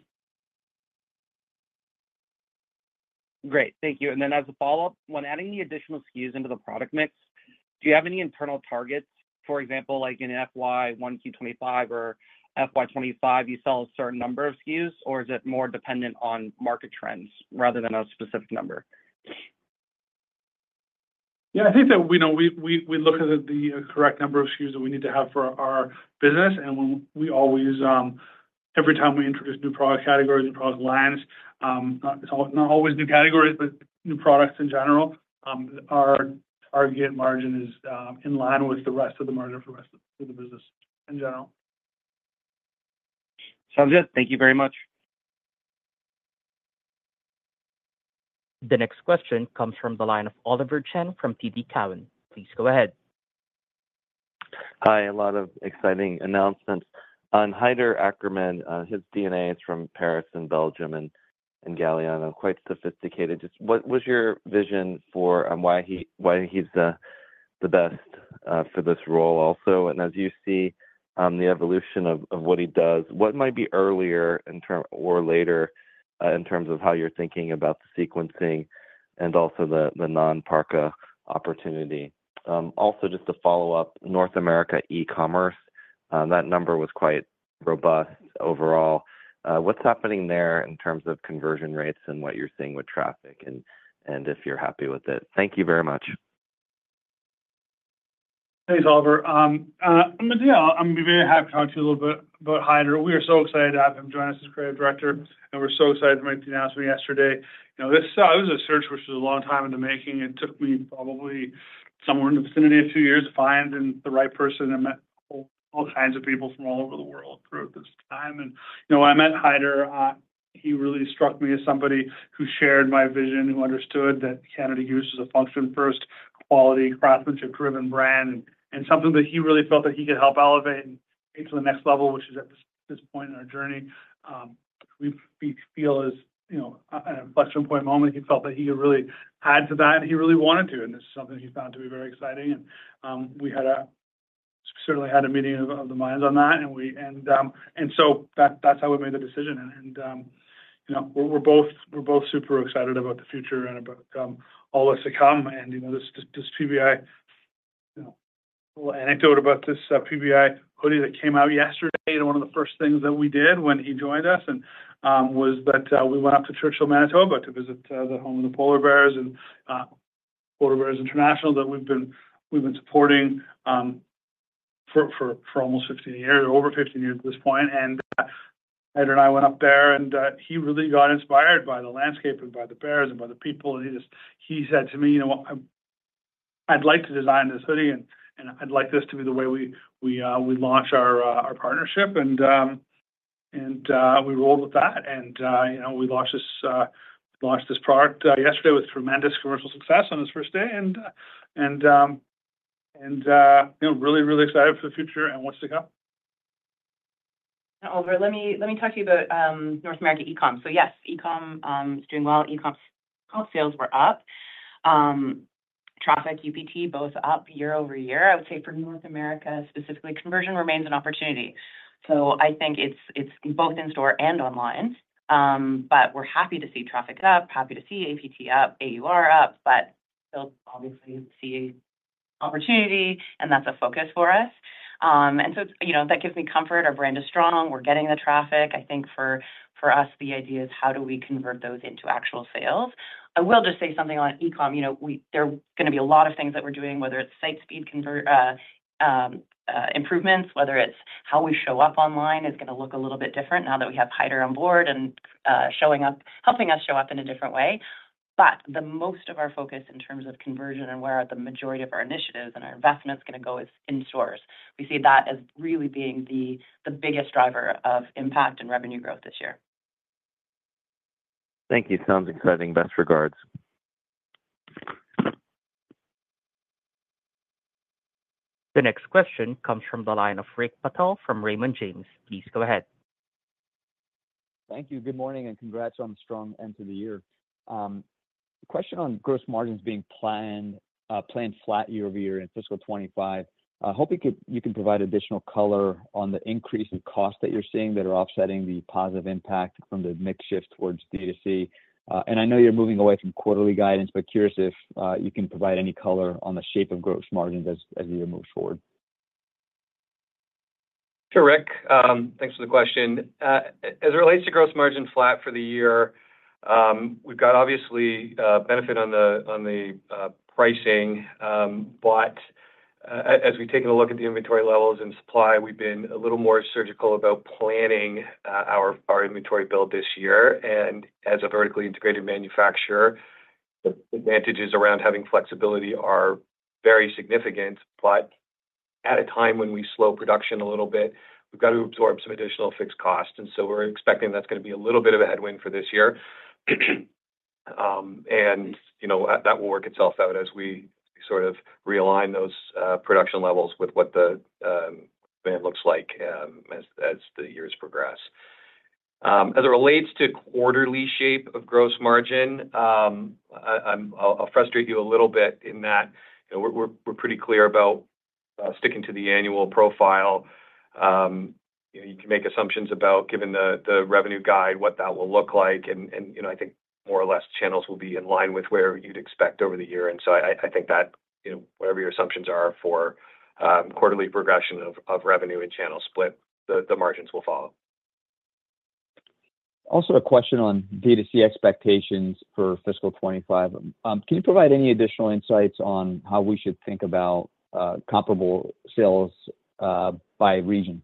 Great. Thank you. And then as a follow-up, when adding the additional SKUs into the product mix, do you have any internal targets, for example, like in FY 1Q 2025 or FY 2025, you sell a certain number of SKUs, or is it more dependent on market trends rather than a specific number? Yeah, I think that we know we look at the correct number of SKUs that we need to have for our business. And when we always every time we introduce new product categories and product lines, it's not always new categories, but new products in general, our gross margin is in line with the rest of the margin for the rest of the business in general. Sounds good. Thank you very much. The next question comes from the line of Oliver Chen from TD Cowen. Please go ahead. Hi, a lot of exciting announcements. On Haider Ackermann, his DNA is from Paris and Belgium and Galliano, quite sophisticated. Just what was your vision for and why he, why he's the best for this role also? And as you see, the evolution of what he does, what might be earlier in terms or later in terms of how you're thinking about the sequencing and also the non-parka opportunity? Also, just to follow up, North America e-commerce, that number was quite robust overall. What's happening there in terms of conversion rates and what you're seeing with traffic, and if you're happy with it? Thank you very much. Thanks, Oliver. Yeah, I'm very happy to talk to you a little bit about Haider. We are so excited to have him join us as creative director, and we're so excited to make the announcement yesterday. You know, this was a search which was a long time in the making, and took me probably somewhere in the vicinity of two years to find the right person. I met all kinds of people from all over the world throughout this time. And, you know, I met Haider, he really struck me as somebody who shared my vision, who understood that Canada Goose is a function-first quality, craftsmanship-driven brand, and something that he really felt that he could help elevate and get to the next level, which is at this point in our journey. We feel, as you know, at an inflection point moment, he felt that he really add to that, and he really wanted to, and this is something he found to be very exciting. We certainly had a meeting of the minds on that, and so that's how we made the decision. You know, we're both super excited about the future and about all that's to come. You know, this PBI anecdote about this PBI hoodie that came out yesterday, and one of the first things that we did when he joined us was that we went up to Churchill, Manitoba, to visit the home of the polar bears and Polar Bears International that we've been supporting for almost 15 years, or over 15 years at this point. Haider and I went up there, and he really got inspired by the landscape and by the bears and by the people. And he just. He said to me, "You know what? I'd like to design this hoodie, and I'd like this to be the way we launch our partnership." And we rolled with that. And, you know, we launched this product yesterday with tremendous commercial success on his first day, and you know, really, really excited for the future and what's to come. Oliver, let me talk to you about North America e-com. So yes, e-com is doing well. E-com sales were up. Traffic, UPT, both up year-over-year. I would say for North America, specifically, conversion remains an opportunity, so I think it's both in store and online. But we're happy to see traffic up, happy to see UPT up, AUR up, but still obviously see opportunity, and that's a focus for us. And so, you know, that gives me comfort. Our brand is strong. We're getting the traffic. I think for us, the idea is how do we convert those into actual sales? I will just say something on e-com. You know, there are gonna be a lot of things that we're doing, whether it's site speed conversion improvements, whether it's how we show up online is gonna look a little bit different now that we have Haider on board and showing up, helping us show up in a different way. But the most of our focus in terms of conversion and where the majority of our initiatives and our investment is gonna go is in stores. We see that as really being the biggest driver of impact and revenue growth this year. Thank you. Sounds exciting. Best regards. The next question comes from the line of Rick Patel from Raymond James. Please go ahead. Thank you. Good morning, and congrats on the strong end to the year. Question on gross margins being planned flat year-over-year in fiscal 2025. I hope you can provide additional color on the increase in cost that you're seeing that are offsetting the positive impact from the mix shift towards DTC. And I know you're moving away from quarterly guidance, but curious if you can provide any color on the shape of gross margins as we move forward. Sure, Rick, thanks for the question. As it relates to gross margin flat for the year, we've got obviously benefit on the pricing, but as we've taken a look at the inventory levels and supply, we've been a little more surgical about planning our inventory build this year. As a vertically integrated manufacturer, the advantages around having flexibility are very significant. But at a time when we slow production a little bit, we've got to absorb some additional fixed costs, and so we're expecting that's gonna be a little bit of a headwind for this year. You know, that will work itself out as we sort of realign those production levels with what the band looks like as the years progress. As it relates to quarterly shape of gross margin, I'll frustrate you a little bit in that. You know, we're pretty clear about sticking to the annual profile. You know, you can make assumptions about, given the revenue guide, what that will look like, and you know, I think more or less channels will be in line with where you'd expect over the year. And so I think that, you know, whatever your assumptions are for quarterly progression of revenue and channel split, the margins will follow. Also, a question on DTC expectations for fiscal 2025. Can you provide any additional insights on how we should think about comparable sales by region?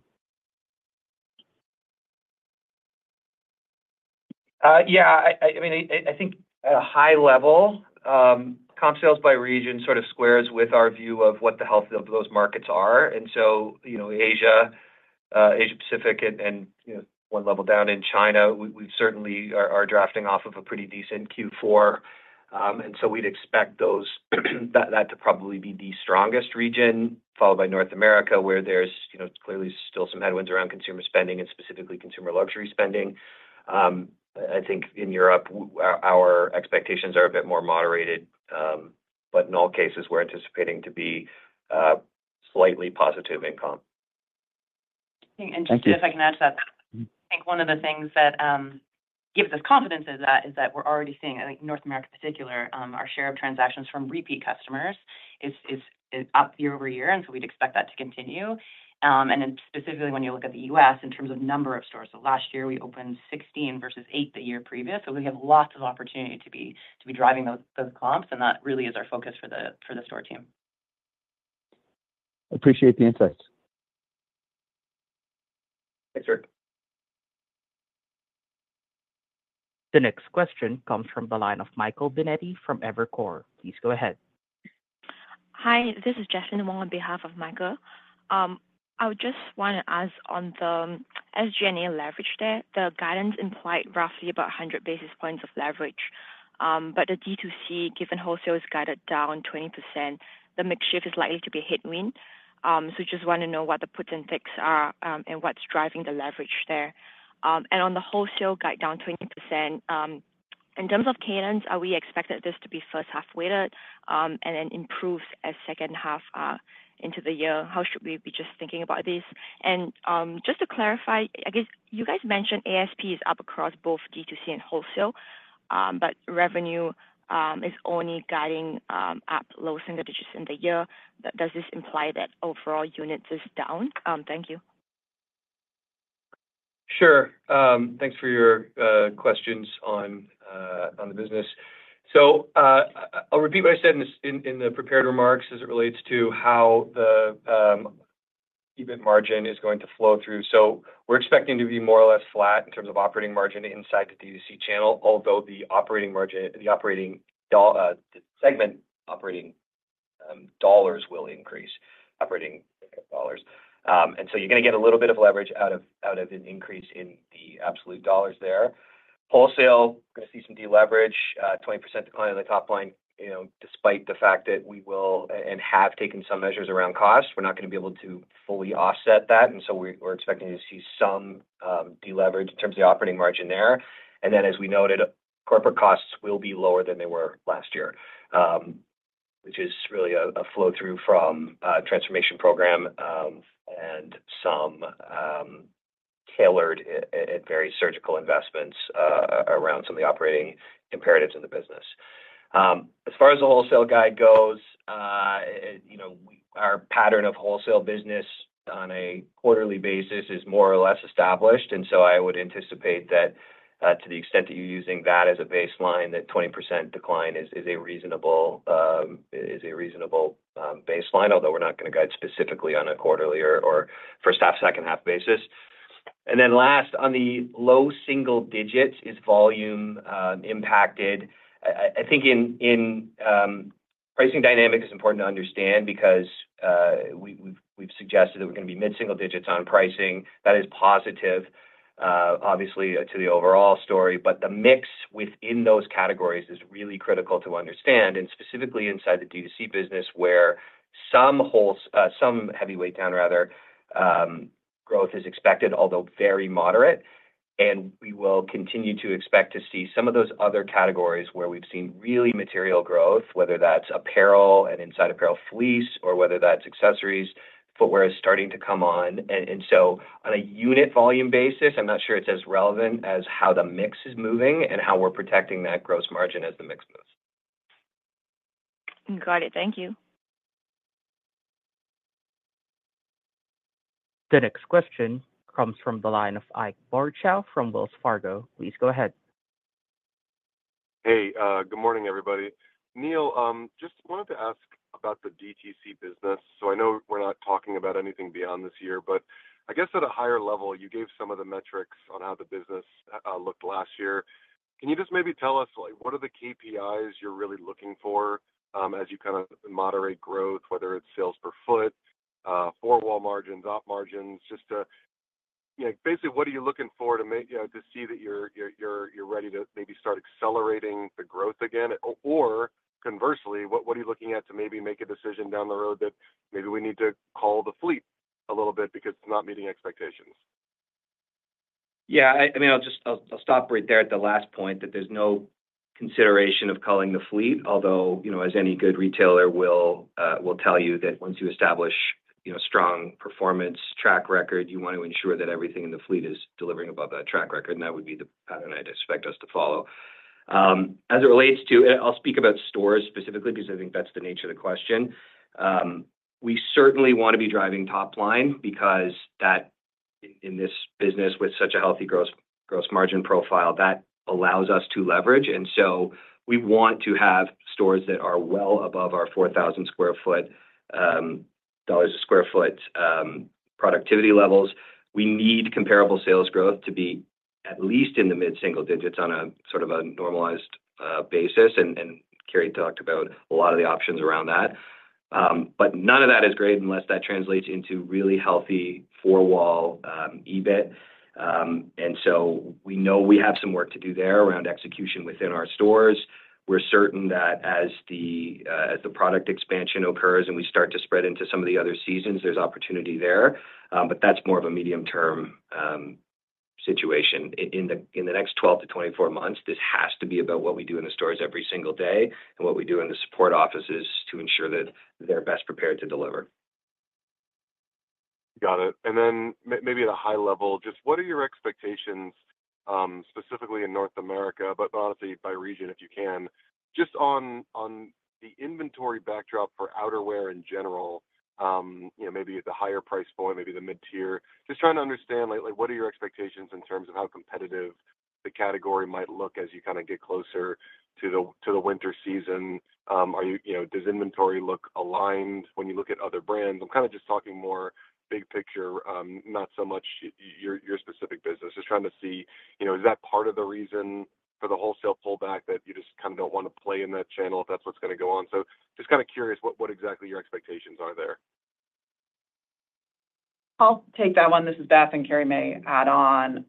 Yeah. I mean, I think at a high level, comp sales by region sort of squares with our view of what the health of those markets are. And so, you know, Asia Pacific and, you know, one level down in China, we certainly are drafting off of a pretty decent Q4. And so we'd expect that to probably be the strongest region, followed by North America, where there's, you know, clearly still some headwinds around consumer spending and specifically consumer luxury spending. I think in Europe, our expectations are a bit more moderated. But in all cases, we're anticipating to be slightly positive in comp. Thank you. Just if I can add to that. I think one of the things that gives us confidence is that we're already seeing, I think, North America in particular, our share of transactions from repeat customers is up year-over-year, and so we'd expect that to continue. And then specifically when you look at the U.S. in terms of number of stores, so last year we opened 16 versus eight the year previous, so we have lots of opportunity to be driving those comps, and that really is our focus for the store team. Appreciate the insights. Thanks, sir. The next question comes from the line of Michael Binetti from Evercore. Please go ahead. Hi, this is Jesalyn Wong on behalf of Michael. I would just wanna ask on the SG&A leverage there, the guidance implied roughly about 100 basis points of leverage. But the DTC, given wholesale, is guided down 20%, the mix shift is likely to be a headwind. So just want to know what the puts and takes are, and what's driving the leverage there. And on the wholesale guide down 20%, in terms of cadence, are we expected this to be first half-weighted, and then improve as second half, into the year? How should we be just thinking about this? And, just to clarify, I guess you guys mentioned ASP is up across both DTC and wholesale, but revenue is only guiding up low single digits in the year. Does this imply that overall units is down? Thank you. Sure. Thanks for your questions on the business. So, I'll repeat what I said in the prepared remarks as it relates to how the EBIT margin is going to flow through. So we're expecting to be more or less flat in terms of operating margin inside the DTC channel, although the operating margin, the segment operating dollars will increase, operating dollars. And so you're gonna get a little bit of leverage out of an increase in the absolute dollars there. Wholesale, gonna see some deleverage, 20% decline in the top line. You know, despite the fact that we will and have taken some measures around cost, we're not gonna be able to fully offset that, and so we're expecting to see some deleverage in terms of the operating margin there. And then, as we noted, corporate costs will be lower than they were last year, which is really a flow-through from transformation program and some tailored and very surgical investments around some of the operating imperatives in the business. As far as the wholesale guide goes, you know, our pattern of wholesale business on a quarterly basis is more or less established. So I would anticipate that, to the extent that you're using that as a baseline, that 20% decline is a reasonable baseline, although we're not gonna guide specifically on a quarterly or first half, second half basis. And then last, on the low single digits, is volume impacted? I think in pricing dynamic is important to understand because we have suggested that we're gonna be mid-single digits on pricing. That is positive, obviously, to the overall story, but the mix within those categories is really critical to understand, and specifically inside the DTC business, where some heavyweight down rather, growth is expected, although very moderate. We will continue to expect to see some of those other categories where we've seen really material growth, whether that's apparel and inside apparel fleece, or whether that's accessories. Footwear is starting to come on. And, and so on a unit volume basis, I'm not sure it's as relevant as how the mix is moving and how we're protecting that gross margin as the mix moves. Got it. Thank you. The next question comes from the line of Ike Borchow from Wells Fargo. Please go ahead. Hey, good morning, everybody. Neil, just wanted to ask about the DTC business. So I know we're not talking about anything beyond this year, but I guess at a higher level, you gave some of the metrics on how the business looked last year. Can you just maybe tell us, like, what are the KPIs you're really looking for, as you kind of moderate growth, whether it's sales per foot, four wall margins, op margins? Just to, you know, basically, what are you looking for to make... You know, to see that you're ready to maybe start accelerating the growth again? Or conversely, what are you looking at to maybe make a decision down the road that maybe we need to call the fleet a little bit because it's not meeting expectations? Yeah, I mean, I'll stop right there at the last point, that there's no consideration of culling the fleet. Although, you know, as any good retailer will tell you that once you establish, you know, strong performance track record, you want to ensure that everything in the fleet is delivering above that track record, and that would be the pattern I'd expect us to follow. As it relates to, I'll speak about stores specifically, because I think that's the nature of the question. We certainly want to be driving top line because that, in this business, with such a healthy gross margin profile, that allows us to leverage. And so we want to have stores that are well above our CAD 4,000 per square foot productivity levels. We need comparable sales growth to be at least in the mid-single digits on a sort of a normalized basis. And, and Carrie talked about a lot of the options around that. But none of that is great unless that translates into really healthy four-wall EBIT. And so we know we have some work to do there around execution within our stores. We're certain that as the product expansion occurs and we start to spread into some of the other seasons, there's opportunity there. But that's more of a medium-term situation. In the next 12-24 months, this has to be about what we do in the stores every single day and what we do in the support offices to ensure that they're best prepared to deliver. Got it. And then maybe at a high level, just what are your expectations, specifically in North America, but honestly, by region, if you can, just on the inventory backdrop for outerwear in general. You know, maybe at the higher price point, maybe the mid-tier. Just trying to understand, like, what are your expectations in terms of how competitive the category might look as you kinda get closer to the winter season? Are you... You know, does inventory look aligned when you look at other brands? I'm kinda just talking more big picture, not so much your specific business. Just trying to see, you know, is that part of the reason for the wholesale pullback, that you just kind of don't want to play in that channel if that's what's gonna go on? Just kinda curious, what exactly your expectations are there? I'll take that one. This is Beth, and Carrie may add on.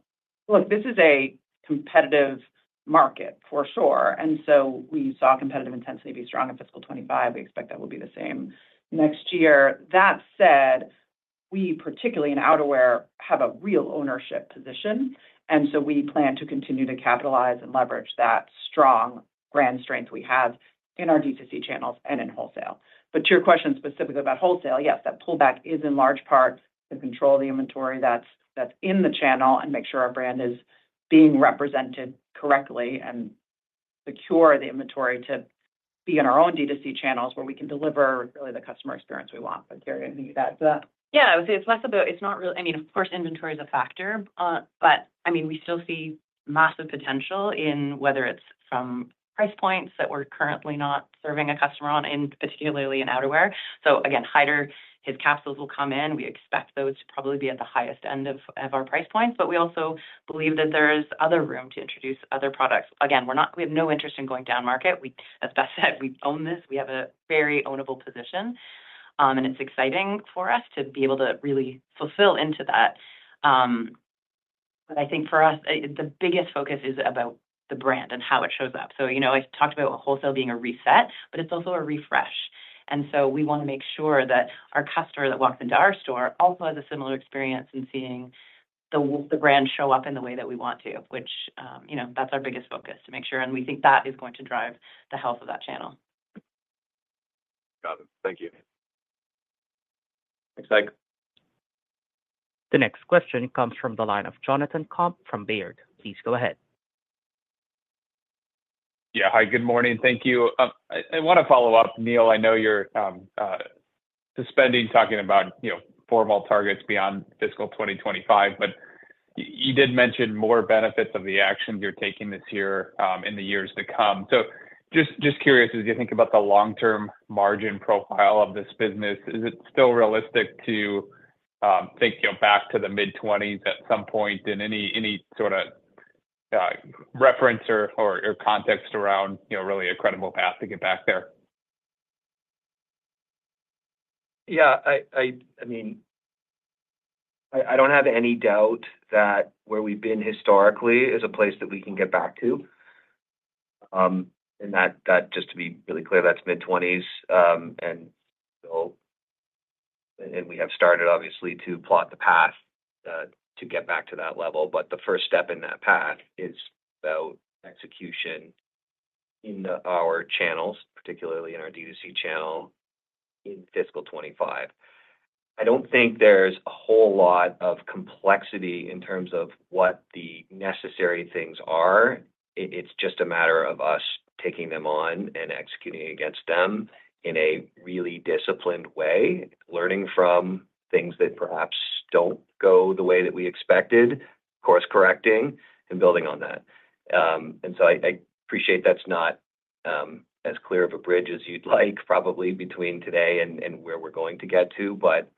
Look, this is a competitive market for sure, and so we saw competitive intensity be strong in fiscal 2025. We expect that will be the same next year. That said, we, particularly in outerwear, have a real ownership position, and so we plan to continue to capitalize and leverage that strong brand strength we have in our DTC channels and in wholesale. But to your question, specifically about wholesale, yes, that pullback is in large part to control the inventory that's in the channel and make sure our brand is being represented correctly and secure the inventory to be in our own DTC channels, where we can deliver really the customer experience we want. But Carrie, anything you'd add to that? Yeah, I would say it's less about... It's not really—I mean, of course, inventory is a factor, but I mean, we still see massive potential in whether it's from price points that we're currently not serving a customer on, particularly in outerwear. So again, Haider, his capsules will come in. We expect those to probably be at the highest end of our price points, but we also believe that there is other room to introduce other products. Again, we're not—we have no interest in going down market. We, as Beth said, we own this. We have a very own-able position, and it's exciting for us to be able to really fulfill into that. But I think for us, the biggest focus is about the brand and how it shows up. So, you know, I talked about wholesale being a reset, but it's also a refresh. And so we want to make sure that our customer that walks into our store also has a similar experience in seeing the brand show up in the way that we want to, which, you know, that's our biggest focus, to make sure, and we think that is going to drive the health of that channel. Got it. Thank you. Thanks, Ike. The next question comes from the line of Jonathan Komp from Baird. Please go ahead. Yeah. Hi, good morning. Thank you. I wanna follow up, Neil, I know you're suspending talking about, you know, four wall targets beyond fiscal 2025, but you did mention more benefits of the actions you're taking this year, in the years to come. So just curious, as you think about the long-term margin profile of this business, is it still realistic to think, you know, back to the mid-20s at some point, and any sorta reference or context around, you know, really a credible path to get back there? Yeah, I mean, I don't have any doubt that where we've been historically is a place that we can get back to. And that, just to be really clear, that's mid-20s. And so. And we have started, obviously, to plot the path to get back to that level. But the first step in that path is about execution in our channels, particularly in our DTC channel, in fiscal 2025. I don't think there's a whole lot of complexity in terms of what the necessary things are. It's just a matter of us taking them on and executing against them in a really disciplined way, learning from things that perhaps don't go the way that we expected, course correcting, and building on that. And so I appreciate that's not as clear of a bridge as you'd like, probably between today and where we're going to get to. But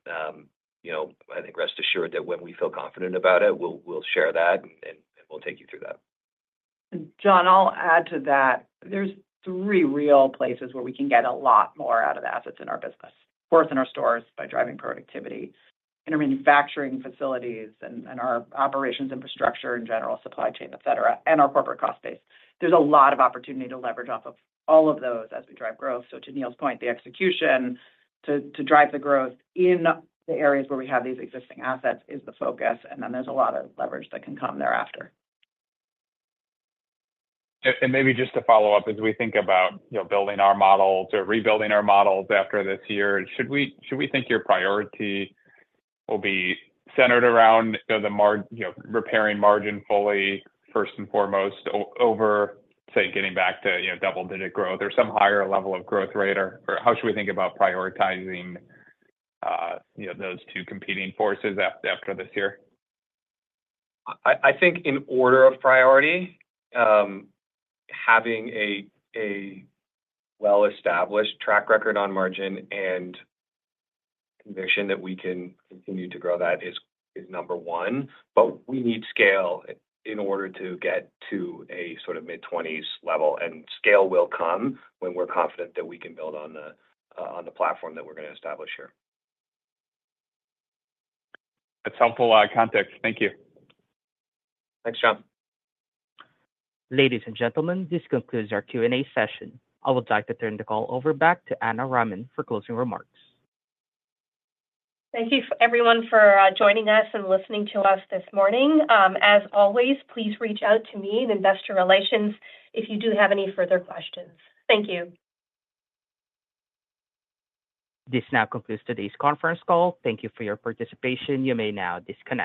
you know, I think rest assured that when we feel confident about it, we'll share that, and we'll take you through that. John, I'll add to that. There's three real places where we can get a lot more out of assets in our business. Fourth, in our stores by driving productivity, in our manufacturing facilities and our operations infrastructure, in general, supply chain, et cetera, and our corporate cost base. There's a lot of opportunity to leverage off of all of those as we drive growth. So to Neil's point, the execution to drive the growth in the areas where we have these existing assets is the focus, and then there's a lot of leverage that can come thereafter. And maybe just to follow up, as we think about, you know, building our models or rebuilding our models after this year, should we think your priority will be centered around, you know, the margin—you know, repairing margin fully, first and foremost, over, say, getting back to, you know, double-digit growth or some higher level of growth rate? Or how should we think about prioritizing, you know, those two competing forces after this year? I think in order of priority, having a well-established track record on margin and conviction that we can continue to grow that is number one. But we need scale in order to get to a sort of mid-20s level, and scale will come when we're confident that we can build on the platform that we're gonna establish here. That's helpful, context. Thank you. Thanks, John. Ladies and gentlemen, this concludes our Q&A session. I would like to turn the call over back to Ana Raman for closing remarks. Thank you everyone for joining us and listening to us this morning. As always, please reach out to me in investor relations if you do have any further questions. Thank you. This now concludes today's conference call. Thank you for your participation. You may now disconnect.